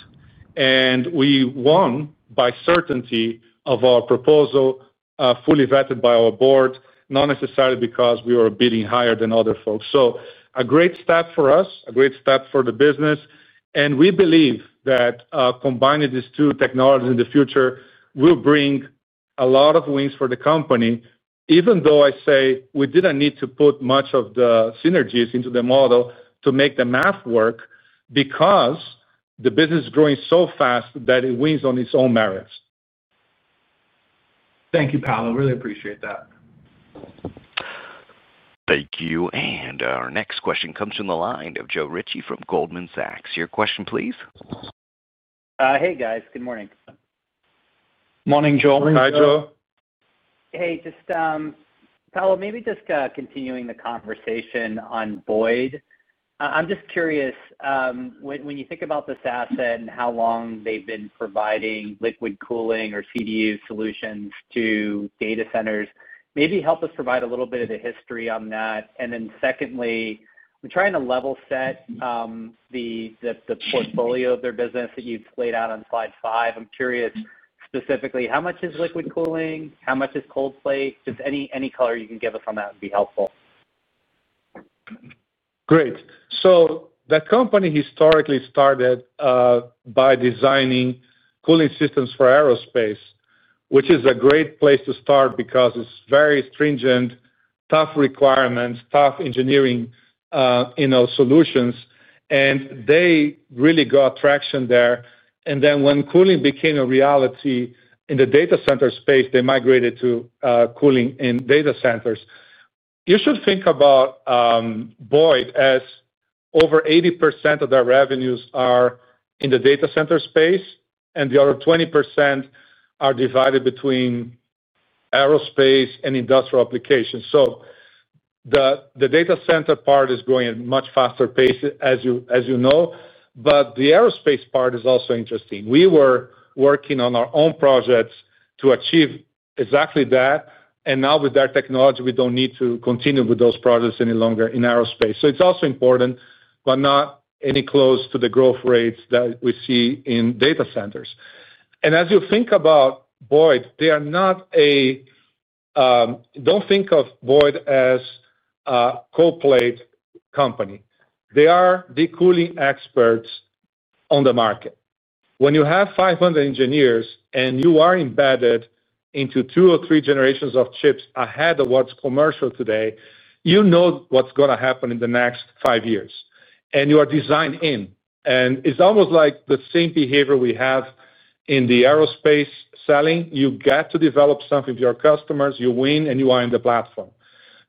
And we won by certainty of our proposal, fully vetted by our board, not necessarily because we were bidding higher than other folks. So a great step for us, a great step for the business. And we believe that combining these two technologies in the future will bring a lot of wins for the company, even though I say we didn't need to put much of the synergies into the model to make the math work because the business is growing so fast that it wins on its own merits. Thank you, Paulo. Really appreciate that. Thank you. And our next question comes from the line of Joe Ritchie from Goldman Sachs. Your question, please. Hey, guys. Good morning. Morning, Joe. Morning, Joe. Hey. Paulo, maybe just continuing the conversation on Boyd. I'm just curious. When you think about this asset and how long they've been providing Liquid Cooling or CDU solutions to data centers, maybe help us provide a little bit of the history on that. And then secondly, we're trying to level set the portfolio of their business that you've laid out on slide five. I'm curious specifically, how much is Liquid Cooling? How much is cold plate? Just any color you can give us on that would be helpful. Great. So that company historically started by designing cooling systems for aerospace, which is a great place to start because it's very stringent, tough requirements, tough engineering solutions. And they really got traction there. And then when cooling became a reality in the data center space, they migrated to cooling in data centers. You should think about Boyd as over 80% of their revenues are in the data center space, and the other 20% are divided between aerospace and industrial applications. So the data center part is growing at a much faster pace, as you know, but the aerospace part is also interesting. We were working on our own projects to achieve exactly that. And now with their technology, we don't need to continue with those projects any longer in aerospace. So it's also important, but not any close to the growth rates that we see in data centers. And as you think about Boyd, don't think of Boyd as a cold plate company. They are the cooling experts on the market. When you have 500 engineers and you are embedded into two or three generations of chips ahead of what's commercial today, you know what's going to happen in the next five years. And you are designed in. And it's almost like the same behavior we have in the aerospace selling. You get to develop something for your customers. You win, and you are in the platform.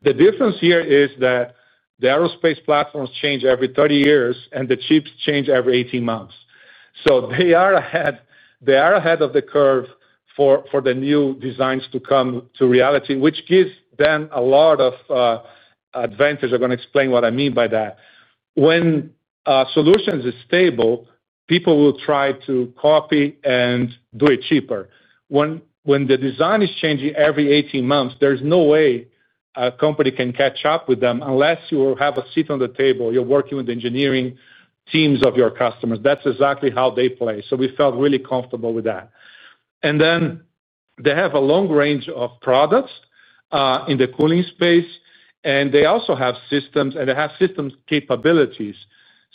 The difference here is that the aerospace platforms change every 30 years, and the chips change every 18 months. So they are ahead. They are ahead of the curve for the new designs to come to reality, which gives them a lot of advantage. I'm going to explain what I mean by that. When a solution is stable, people will try to copy and do it cheaper. When the design is changing every 18 months, there's no way a company can catch up with them unless you have a seat on the table. You're working with the engineering teams of your customers. That's exactly how they play. So we felt really comfortable with that. And then they have a long range of products in the cooling space, and they also have systems, and they have system capabilities.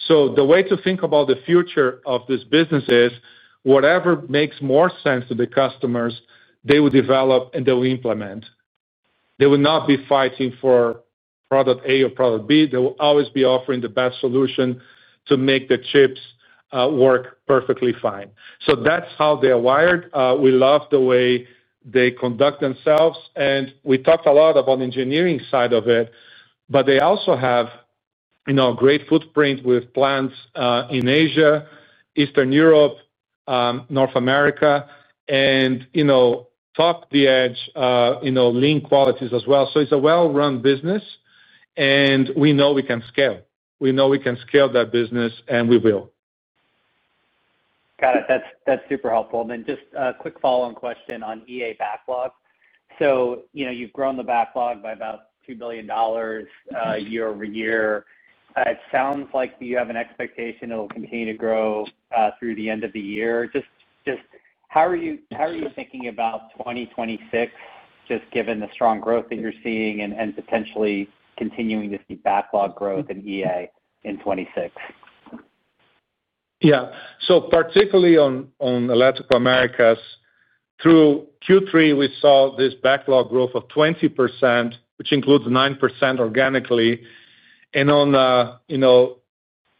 So the way to think about the future of this business is whatever makes more sense to the customers, they will develop and they will implement. They will not be fighting for product A or product B. They will always be offering the best solution to make the chips work perfectly fine. So that's how they are wired. We love the way they conduct themselves. And we talked a lot about the engineering side of it, but they also have a great footprint with plants in Asia, Eastern Europe, North America, and top-of-the-line lean qualities as well. So it's a well-run business. And we know we can scale. We know we can scale that business, and we will. Got it. That's super helpful. And then just a quick follow-on question on EA backlog. So you've grown the backlog by about $2 billion year-over-year. It sounds like you have an expectation it'll continue to grow through the end of the year. Just how are you thinking about 2026, just given the strong growth that you're seeing and potentially continuing to see backlog growth in EA in 2026? Yeah. So particularly on Electrical Americas, through Q3, we saw this backlog growth of 20%, which includes 9% organically. And on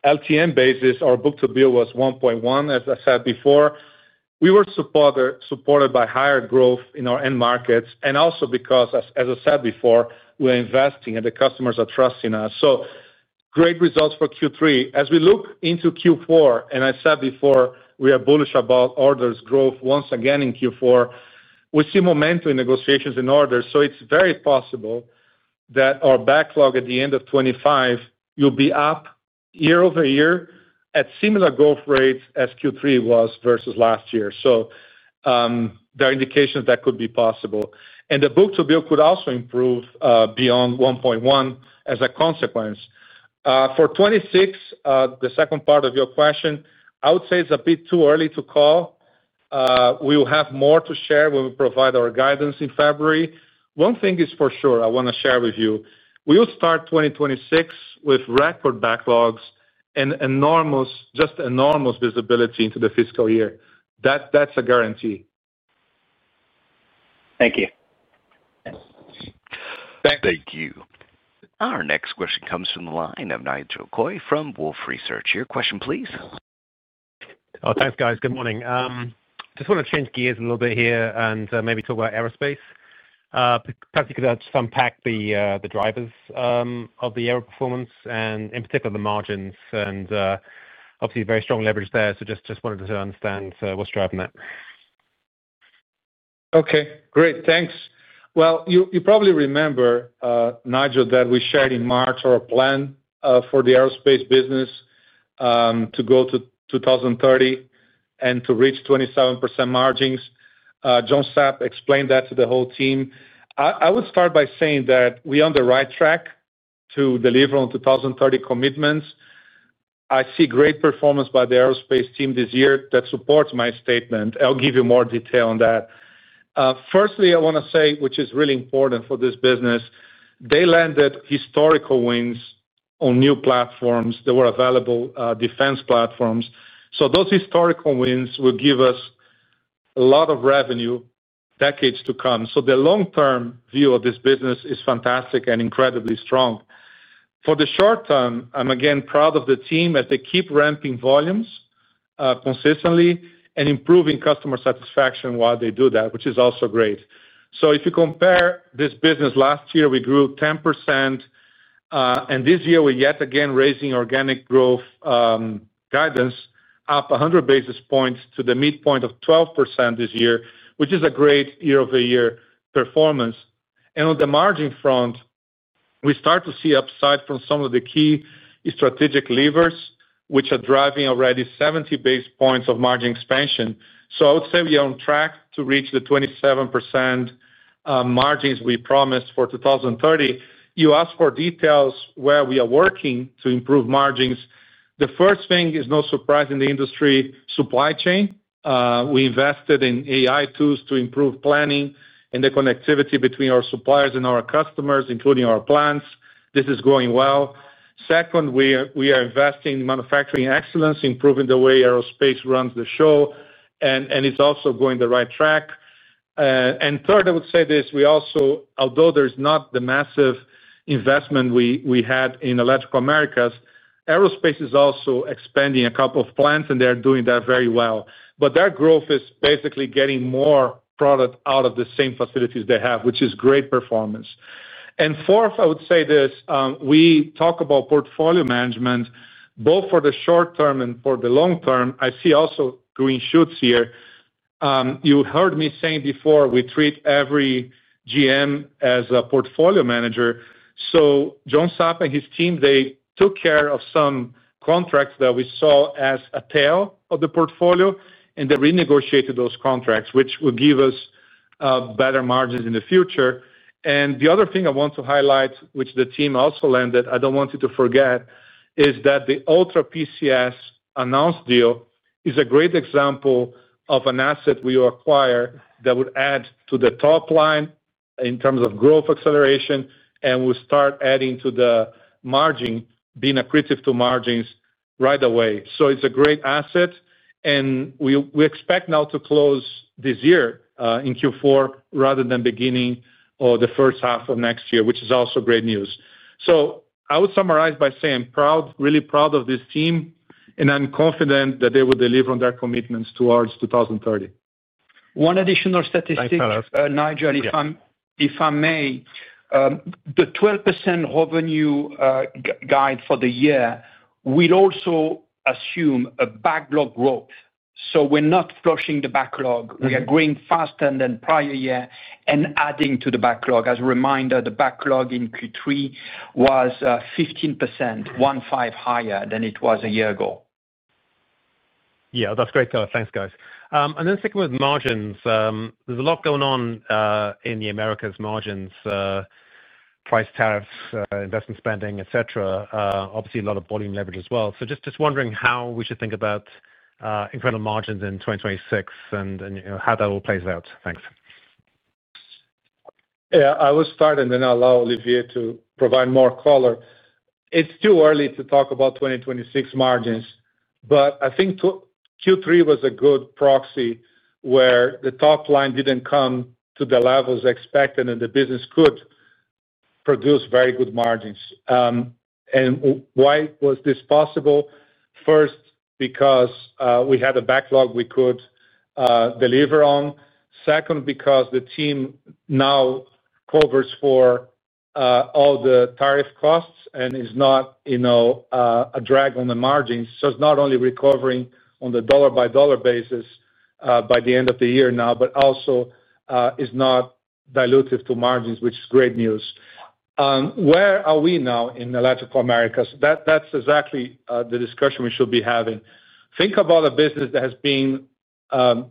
LTM basis, our book to bill was 1.1, as I said before. We were supported by higher growth in our end markets and also because, as I said before, we're investing and the customers are trusting us. So great results for Q3. As we look into Q4, and I said before, we are bullish about orders growth once again in Q4. We see momentum in negotiations in orders. So it's very possible that our backlog at the end of 2025, you'll be up year-over-year at similar growth rates as Q3 was versus last year. So there are indications that could be possible. And the book to bill could also improve beyond 1.1 as a consequence. For 2026, the second part of your question, I would say it's a bit too early to call. We will have more to share when we provide our guidance in February. One thing is for sure I want to share with you. We will start 2026 with record backlogs and just enormous visibility into the fiscal year. That's a guarantee. Thank you. Thank you. Our next question comes from the line of Nigel Coe from Wolfe Research. Your question, please. Oh, thanks, guys. Good morning. Just want to change gears a little bit here and maybe talk about aerospace. Perhaps you could just unpack the drivers of the aero performance and, in particular, the margins. And obviously, very strong leverage there. So just wanted to understand what's driving that. Okay. Great. Thanks. Well, you probably remember, Nigel, that we shared in March our plan for the aerospace business to go to 2030 and to reach 27% margins. John Sapp explained that to the whole team. I would start by saying that we are on the right track to deliver on 2030 commitments. I see great performance by the aerospace team this year that supports my statement. I'll give you more detail on that. Firstly, I want to say, which is really important for this business. They landed historical wins on new platforms that were invaluable, defense platforms. So those historical wins will give us a lot of revenue decades to come. So the long-term view of this business is fantastic and incredibly strong. For the short term, I'm again proud of the team as they keep ramping volumes consistently and improving customer satisfaction while they do that, which is also great. So if you compare this business, last year we grew 10%, and this year we're yet again raising organic growth guidance up 100 basis points to the midpoint of 12% this year, which is a great year-over-year performance. On the margin front, we start to see upside from some of the key strategic levers, which are driving already 70 basis points of margin expansion. So I would say we are on track to reach the 27% margins we promised for 2030. You asked for details where we are working to improve margins. The first thing is no surprise in the industry, supply chain. We invested in AI tools to improve planning and the connectivity between our suppliers and our customers, including our plants. This is going well. Second, we are investing in manufacturing excellence, improving the way aerospace runs the show, and it's also going on the right track. Third, I would say this. Although there's not the massive investment we had in Electrical Americas, aerospace is also expanding a couple of plants, and they are doing that very well. But their growth is basically getting more product out of the same facilities they have, which is great performance. Fourth, I would say this. We talk about portfolio management, both for the short term and for the long term. I see also green shoots here. You heard me saying before, we treat every GM as a portfolio manager. So John Sapp and his team, they took care of some contracts that we saw as a tail of the portfolio, and they renegotiated those contracts, which will give us better margins in the future. The other thing I want to highlight, which the team also landed, I don't want you to forget, is that the Ultra PCS announced deal is a great example of an asset we will acquire that would add to the top line in terms of growth acceleration and will start adding to the margin, being accretive to margins right away. So it's a great asset. We expect now to close this year in Q4 rather than beginning the first half of next year, which is also great news. So I would summarize by saying I'm really proud of this team, and I'm confident that they will deliver on their commitments toward 2030. One additional statistic, Nigel, if I may. The 12% revenue guide for the year will also assume a backlog growth. So we're not flushing the backlog. We are growing faster than prior year and adding to the backlog. As a reminder, the backlog in Q3 was 15%, 1.5 higher than it was a year ago. Yeah. That's great, guys. Thanks, guys. And then sticking with margins, there's a lot going on in the Americas margins. Price tariffs, investment spending, etc. Obviously, a lot of volume leverage as well. So just wondering how we should think about incremental margins in 2026 and how that all plays out. Thanks. Yeah. I will start and then I'll allow Olivier to provide more color. It's too early to talk about 2026 margins, but I think Q3 was a good proxy where the top line didn't come to the levels expected and the business could produce very good margins. And why was this possible? First, because we had a backlog we could deliver on. Second, because the team now covers for all the tariff costs and is not a drag on the margins. So it's not only recovering on the dollar-by-dollar basis by the end of the year now, but also is not diluted to margins, which is great news. Where are we now in Electrical Americas? That's exactly the discussion we should be having. Think about a business that has been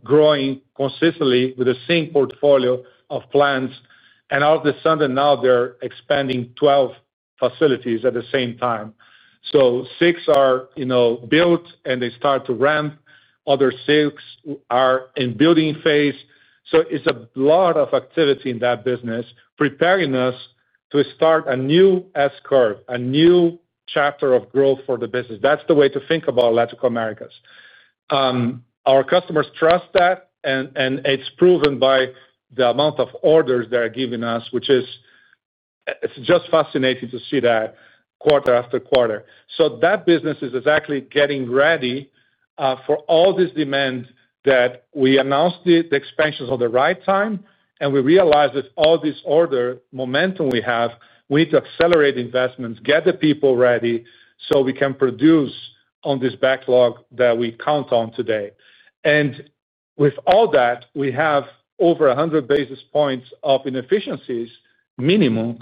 growing consistently with the same portfolio of plants, and all of a sudden now they're expanding 12 facilities at the same time. So six are built and they start to ramp. Other six are in building phase. So it's a lot of activity in that business, preparing us to start a new S-curve, a new chapter of growth for the business. That's the way to think about Electrical Americas. Our customers trust that, and it's proven by the amount of orders they're giving us, which is just fascinating to see that quarter after quarter. So that business is exactly getting ready for all this demand that we announced the expansions at the right time, and we realized with all this order momentum we have, we need to accelerate investments, get the people ready so we can produce on this backlog that we count on today. And with all that, we have over 100 basis points of inefficiencies, minimum,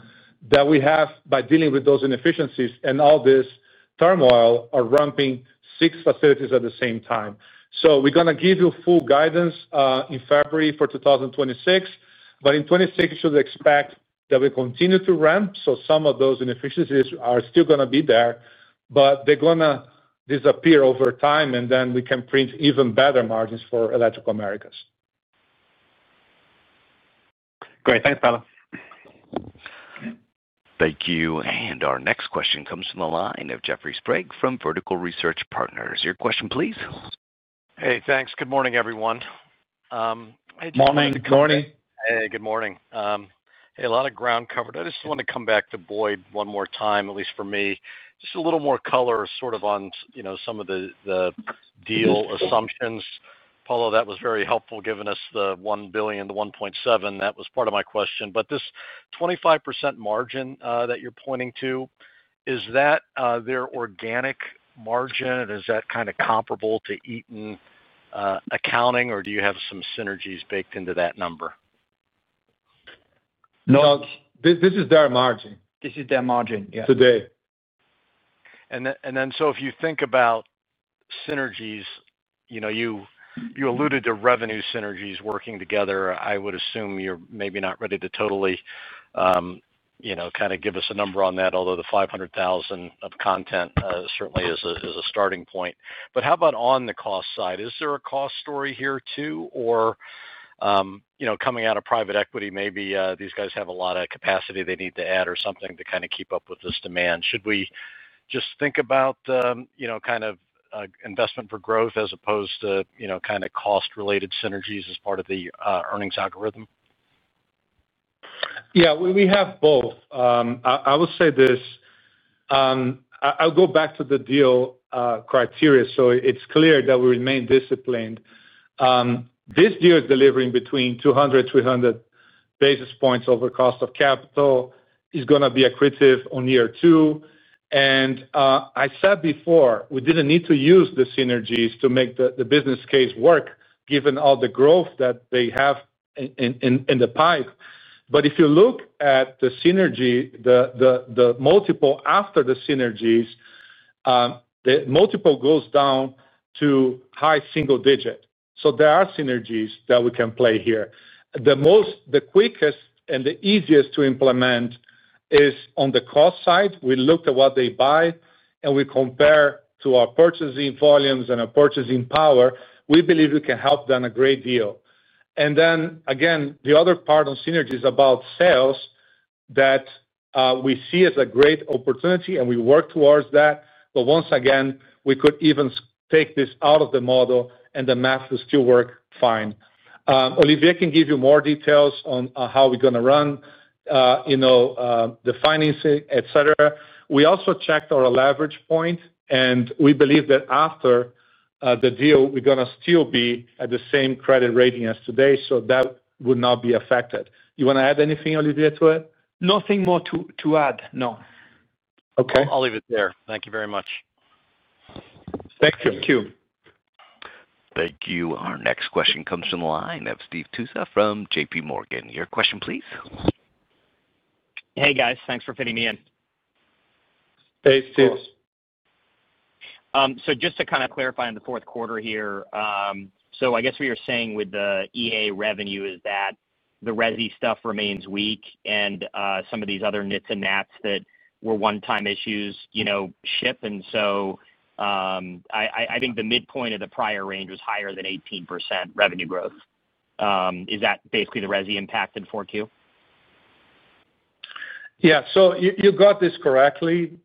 that we have by dealing with those inefficiencies, and all this turmoil are ramping six facilities at the same time. So we're going to give you full guidance in February for 2026, but in 2026, you should expect that we continue to ramp. So some of those inefficiencies are still going to be there, but they're going to disappear over time, and then we can print even better margins for Electrical Americas. Great. Thanks, Paulo. Thank you. And our next question comes from the line of Jeffrey Sprague from Vertical Research Partners. Your question, please. Hey, thanks. Good morning, everyone. Hey, Jeffrey. Good morning. Hey, good morning. Hey, a lot of ground covered. I just want to come back to Boyd one more time, at least for me. Just a little more color sort of on some of the deal assumptions. Paulo, that was very helpful giving us the $1 billion, the $1.7. That was part of my question. But this 25% margin that you're pointing to, is that their organic margin, and is that kind of comparable to Eaton accounting, or do you have some synergies baked into that number? No, this is their margin. This is their margin, yes. Today. And then so if you think about synergies, you alluded to revenue synergies working together. I would assume you're maybe not ready to totally kind of give us a number on that, although the $500 million of content certainly is a starting point. But how about on the cost side? Is there a cost story here too, or coming out of private equity, maybe these guys have a lot of capacity they need to add or something to kind of keep up with this demand? Should we just think about kind of investment for growth as opposed to kind of cost-related synergies as part of the earnings algorithm? Yeah, we have both. I will say this. I'll go back to the deal criteria. So it's clear that we remain disciplined. This deal is delivering between 200-300 basis points over cost of capital. It's going to be accretive on year two. And I said before, we didn't need to use the synergies to make the business case work, given all the growth that they have in the pipe. But if you look at the synergy, the multiple after the synergies, the multiple goes down to high single digit. So there are synergies that we can play here. The quickest and the easiest to implement is on the cost side. We looked at what they buy, and we compare to our purchasing volumes and our purchasing power. We believe we can help them a great deal. And then, again, the other part on synergies is about sales that we see as a great opportunity, and we work towards that. But once again, we could even take this out of the model, and the math would still work fine. Olivier can give you more details on how we're going to run the financing, etc. We also checked our leverage point, and we believe that after the deal, we're going to still be at the same credit rating as today, so that would not be affected. You want to add anything, Olivier, to it? Nothing more to add, no. Okay. I'll leave it there. Thank you very much. Thank you. Thank you. Thank you. Our next question comes from the line of Stephen Tusa from JPMorgan. Your question, please. Hey, guys. Thanks for fitting me in. Hey, Stephen. So just to kind of clarify on the fourth quarter here, so I guess what you're saying with the EA revenue is that the Resi stuff remains weak, and some of these other nits and nats that were one-time issues ship. I think the midpoint of the prior range was higher than 18% revenue growth. Is that basically the Resi impact in 4Q? Yeah. So you got this correctly,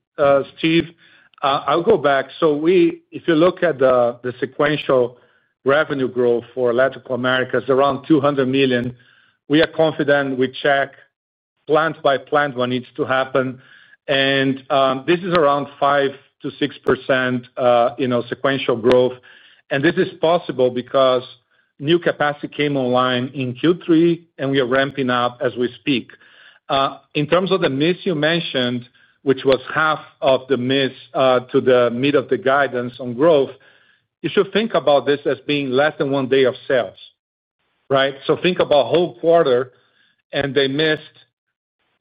Stephen. I'll go back. So if you look at the sequential revenue growth for Electrical Americas, around $200 million, we are confident we check. Plant by plant what needs to happen. And this is around 5%-6%. Sequential growth. And this is possible because new capacity came online in Q3, and we are ramping up as we speak. In terms of the miss you mentioned, which was half of the miss to the mid of the guidance on growth, you should think about this as being less than one day of sales, right? So think about whole quarter, and they missed.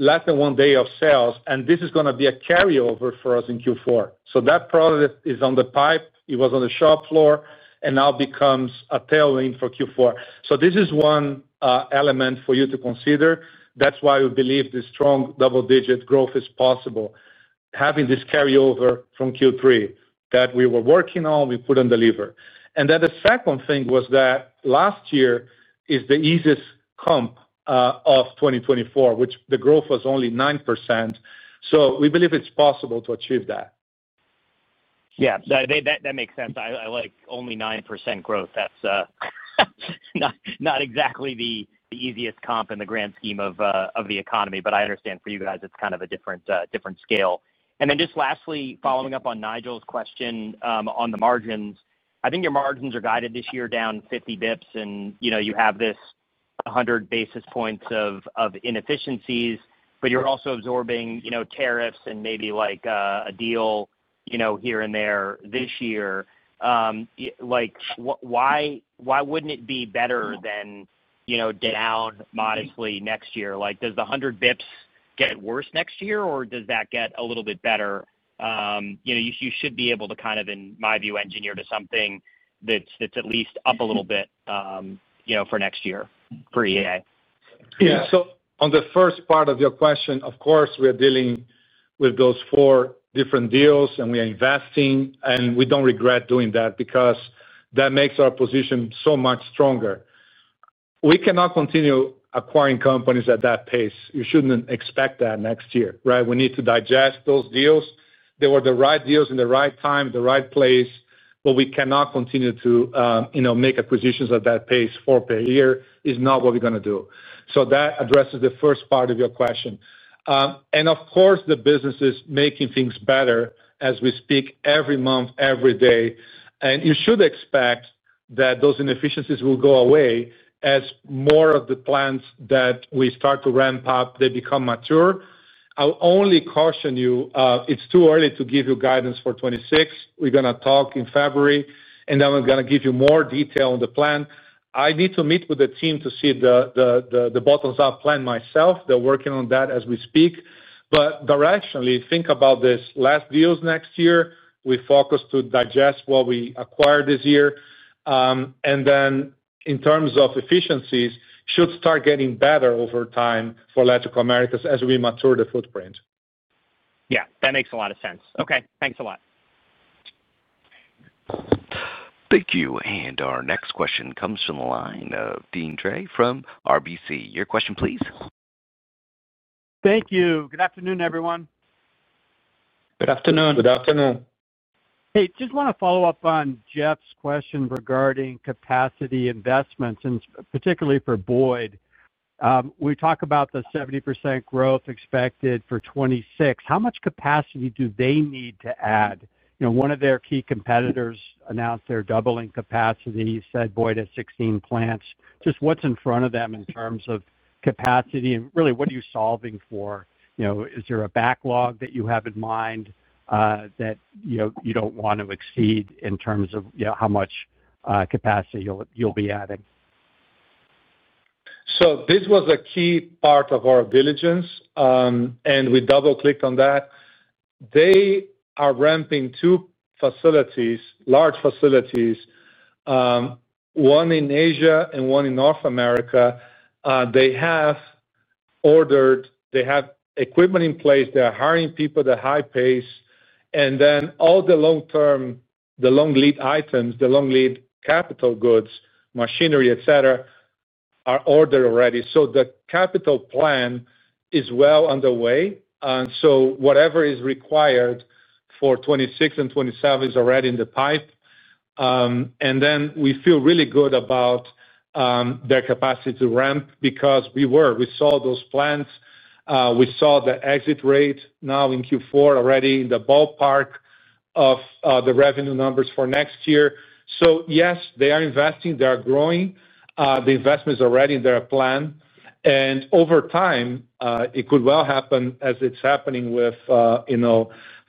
Less than one day of sales, and this is going to be a carryover for us in Q4. So that product is on the pipe. It was on the shop floor, and now becomes a tailwind for Q4. So this is one element for you to consider. That's why we believe this strong double-digit growth is possible, having this carryover from Q3 that we were working on, we couldn't deliver. And then the second thing was that last year is the easiest comp of 2024, which the growth was only 9%. So we believe it's possible to achieve that. Yeah. That makes sense. I like only 9% growth. That's not exactly the easiest comp in the grand scheme of the economy, but I understand for you guys, it's kind of a different scale. And then just lastly, following up on Nigel's question on the margins, I think your margins are guided this year down 50 basis points, and you have this 100 basis points of inefficiencies, but you're also absorbing tariffs and maybe a deal here and there this year. Why wouldn't it be better than down modestly next year? Does the 100 basis points get worse next year, or does that get a little bit better? You should be able to kind of, in my view, engineer to something that's at least up a little bit. For next year for EA. Yeah. So on the first part of your question, of course, we are dealing with those four different deals, and we are investing, and we don't regret doing that because that makes our position so much stronger. We cannot continue acquiring companies at that pace. You shouldn't expect that next year, right? We need to digest those deals. They were the right deals in the right time, the right place, but we cannot continue to make acquisitions at that pace for a year. It's not what we're going to do. So that addresses the first part of your question. And of course, the business is making things better as we speak every month, every day. You should expect that those inefficiencies will go away as more of the plans that we start to ramp up, they become mature. I'll only caution you, it's too early to give you guidance for 2026. We're going to talk in February, and then I'm going to give you more detail on the plan. I need to meet with the team to see the bottoms-up plan myself. They're orking on that as we speak. But directionally, think about this: less deals next year. We focus to digest what we acquired this year. And then in terms of efficiencies, should start getting better over time for Electrical Americas as we mature the footprint. Yeah. That makes a lot of sense. Okay. Thanks a lot. Thank you. And our next question comes from the line of Deane Dray from RBC. Your question, please. Thank you. Good afternoon, everyone. Good afternoon. Good afternoon. Hey, just want to follow up on Jeff's question regarding capacity investments, and particularly for Boyd. We talk about the 70% growth expected for 2026. How much capacity do they need to add? One of their key competitors announced they're doubling capacity. You said Boyd has 16 plants. Just what's in front of them in terms of capacity? And really, what are you solving for? Is there a backlog that you have in mind that you don't want to exceed in terms of how much capacity you'll be adding? So this was a key part of our diligence. And we double-clicked on that. They are ramping two facilities, large facilities. One in Asia and one in North America. They have ordered, they have equipment in place. They're hiring people at a high pace. And then all the long-lead items, the long-lead capital goods, machinery, etc., are ordered already. So the capital plan is well underway. And so whatever is required for 2026 and 2027 is already in the pipe. And then we feel really good about. Their capacity to ramp because we were, we saw those plants. We saw the exit rate now in Q4 already in the ballpark of the revenue numbers for next year. So yes, they are investing. They are growing. The investment is already in their plan. And over time, it could well happen, as it's happening with.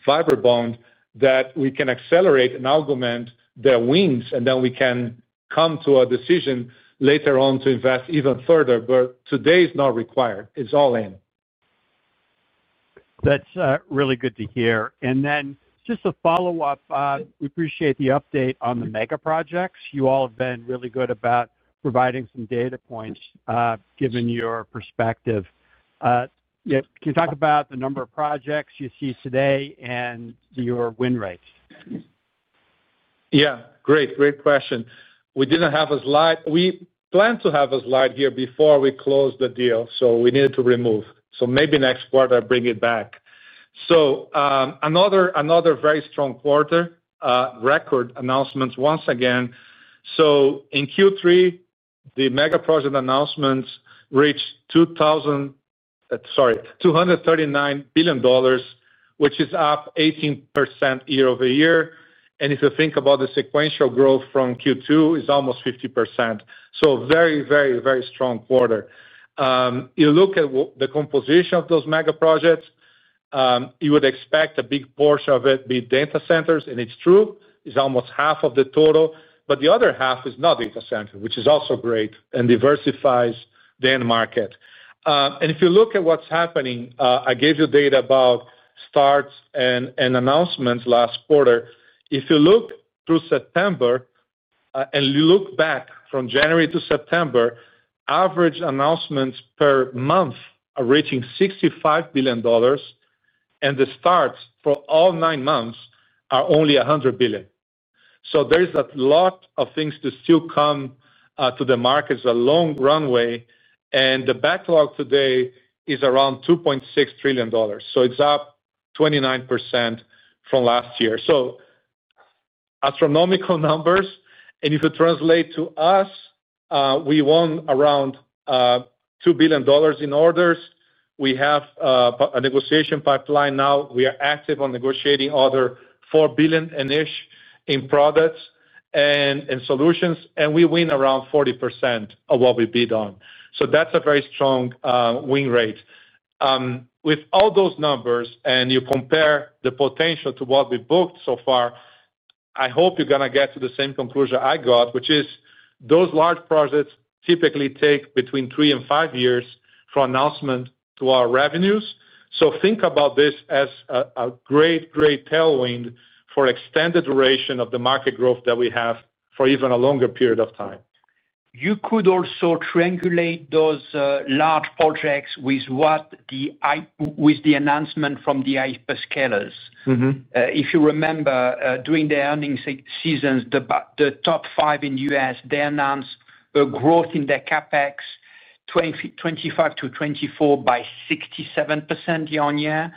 FibreBond, that we can accelerate and augment their wings, and then we can come to a decision later on to invest even further. But today is not required. It's all in. That's really good to hear. And then just a follow-up. We appreciate the update on the mega projects. You all have been really good about providing some data points given your perspective. Can you talk about the number of projects you see today and your win rates? Yeah. Great. Great question. We didn't have a slide. We planned to have a slide here before we closed the deal, so we needed to remove. So maybe next quarter, I'll bring it back. So another very strong quarter. Record announcements once again. So in Q3, the mega project announcements reached 2000, sorry, $239 billion, which is up 18% year-over-year. And if you think about the sequential growth from Q2, it's almost 50%. So very, very, very strong quarter. You look at the composition of those mega projects, you would expect a big portion of it to be data centers, and it's true. It's almost half of the total. But the other half is not data centers, which is also great and diversifies the end market. And if you look at what's happening, I gave you data about starts and announcements last quarter. If you look through September. And you look back from January-September. Average announcements per month are reaching $65 billion. And the starts for all nine months are only $100 billion. So there's a lot of things to still come to the market, a long runway. And the backlog today is around $2.6 trillion. So it's up 29% from last year. So. Astronomical numbers. And if you translate to us. We won around. $2 billion in orders. We have a negotiation pipeline now. We are active on negotiating other $4 billion-ish in products and solutions. And we win around 40% of what we bid on. So that's a very strong win rate. With all those numbers, and you compare the potential to what we booked so far, I hope you're going to get to the same conclusion I got, which is those large projects typically take between three and five years from announcement to our revenues. So think about this as a great, great tailwind for extended duration of the market growth that we have for even a longer period of time. You could also triangulate those large projects with the. Announcement from the hyperscalers. If you remember, during the earnings seasons, the top five in the U.S., they announced a growth in their CapEx 2025 to 2024 by 67% year-on-year,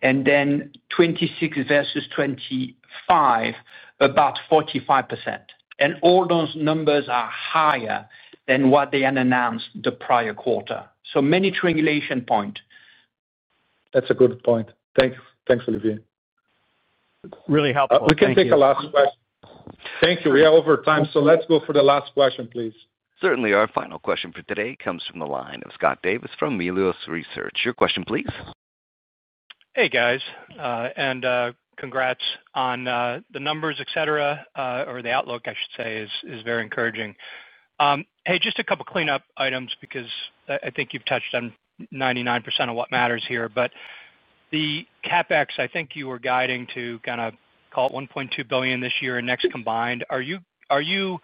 and then 2026 versus 2025 about 45%. And all those numbers are higher than what they had announced the prior quarter. So many triangulation points. That's a good point. Thanks. Thanks, Olivier. Really helpful. We can take a last question. Thank you. We are over time. So let's go for the last question, please. Certainly, our final question for today comes from the line of Scott Davis from Melius Research. Your question, please. Hey, guys. And congrats on the numbers, etc., or the outlook, I should say, is very encouraging. Hey, just a couple of cleanup items because I think you've touched on 99% of what matters here. But the CapEx, I think you were guiding to kind of call it $1.2 billion this year and next combined. Are you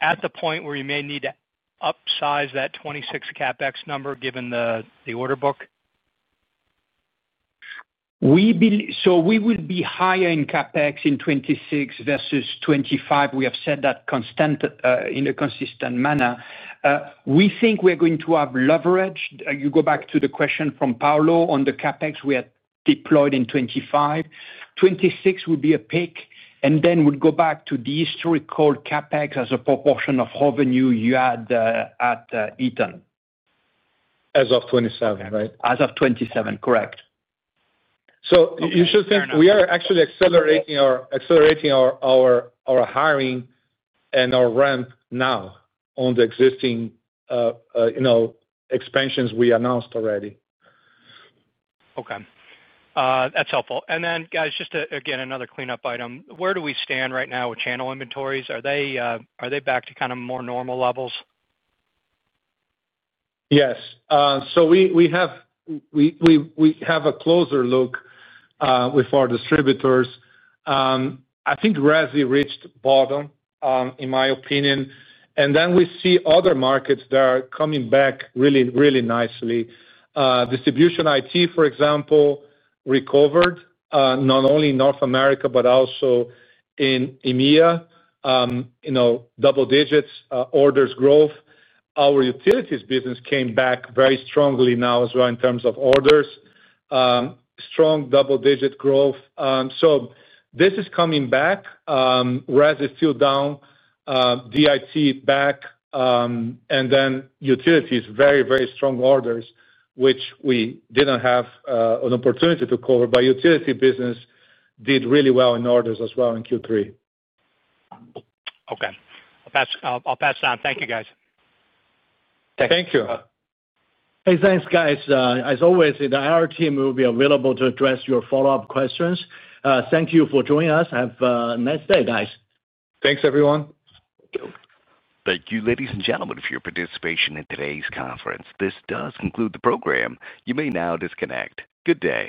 at the point where you may need to upsize that 2026 CapEx number given the order book? So we will be higher in CapEx in 2026 versus 2025. We have said that in a consistent manner. We think we're going to have leverage. You go back to the question from Paulo on the CapEx we had deployed in 2025. 2026 would be a peak. And then we'd go back to the historical CapEx as a proportion of revenue you had at Eaton as of 2027, right? As of 2027, correct, so you should think we are actually accelerating our hiring and our ramp now on the existing expansions we announced already. Okay. That's helpful, and then, guys, just again, another cleanup item. Where do we stand right now with channel inventories? Are they back to kind of more normal levels? Yes, so we have a closer look with our distributors. I think Resi reached bottom, in my opinion. And then we see other markets that are coming back really, really nicely. Distribution IT, for example, recovered, not only in North America but also in EMEA. Double-digit orders growth. Our utilities business came back very strongly now as well in terms of orders. Strong double-digit growth. So this is coming back. Resi is still down. DIT back. And then utilities, very, very strong orders, which we didn't have an opportunity to cover, but utility business did really well in orders as well in Q3. Okay. I'll pass it on. Thank you, guys. Thank you. Thanks, guys. As always, our team will be available to address your follow-up questions. Thank you for joining us. Have a nice day, guys. Thanks, everyone. Thank you. Thank you, ladies and gentlemen, for your participation in today's conference. This does conclude the program. You may now disconnect. Good day.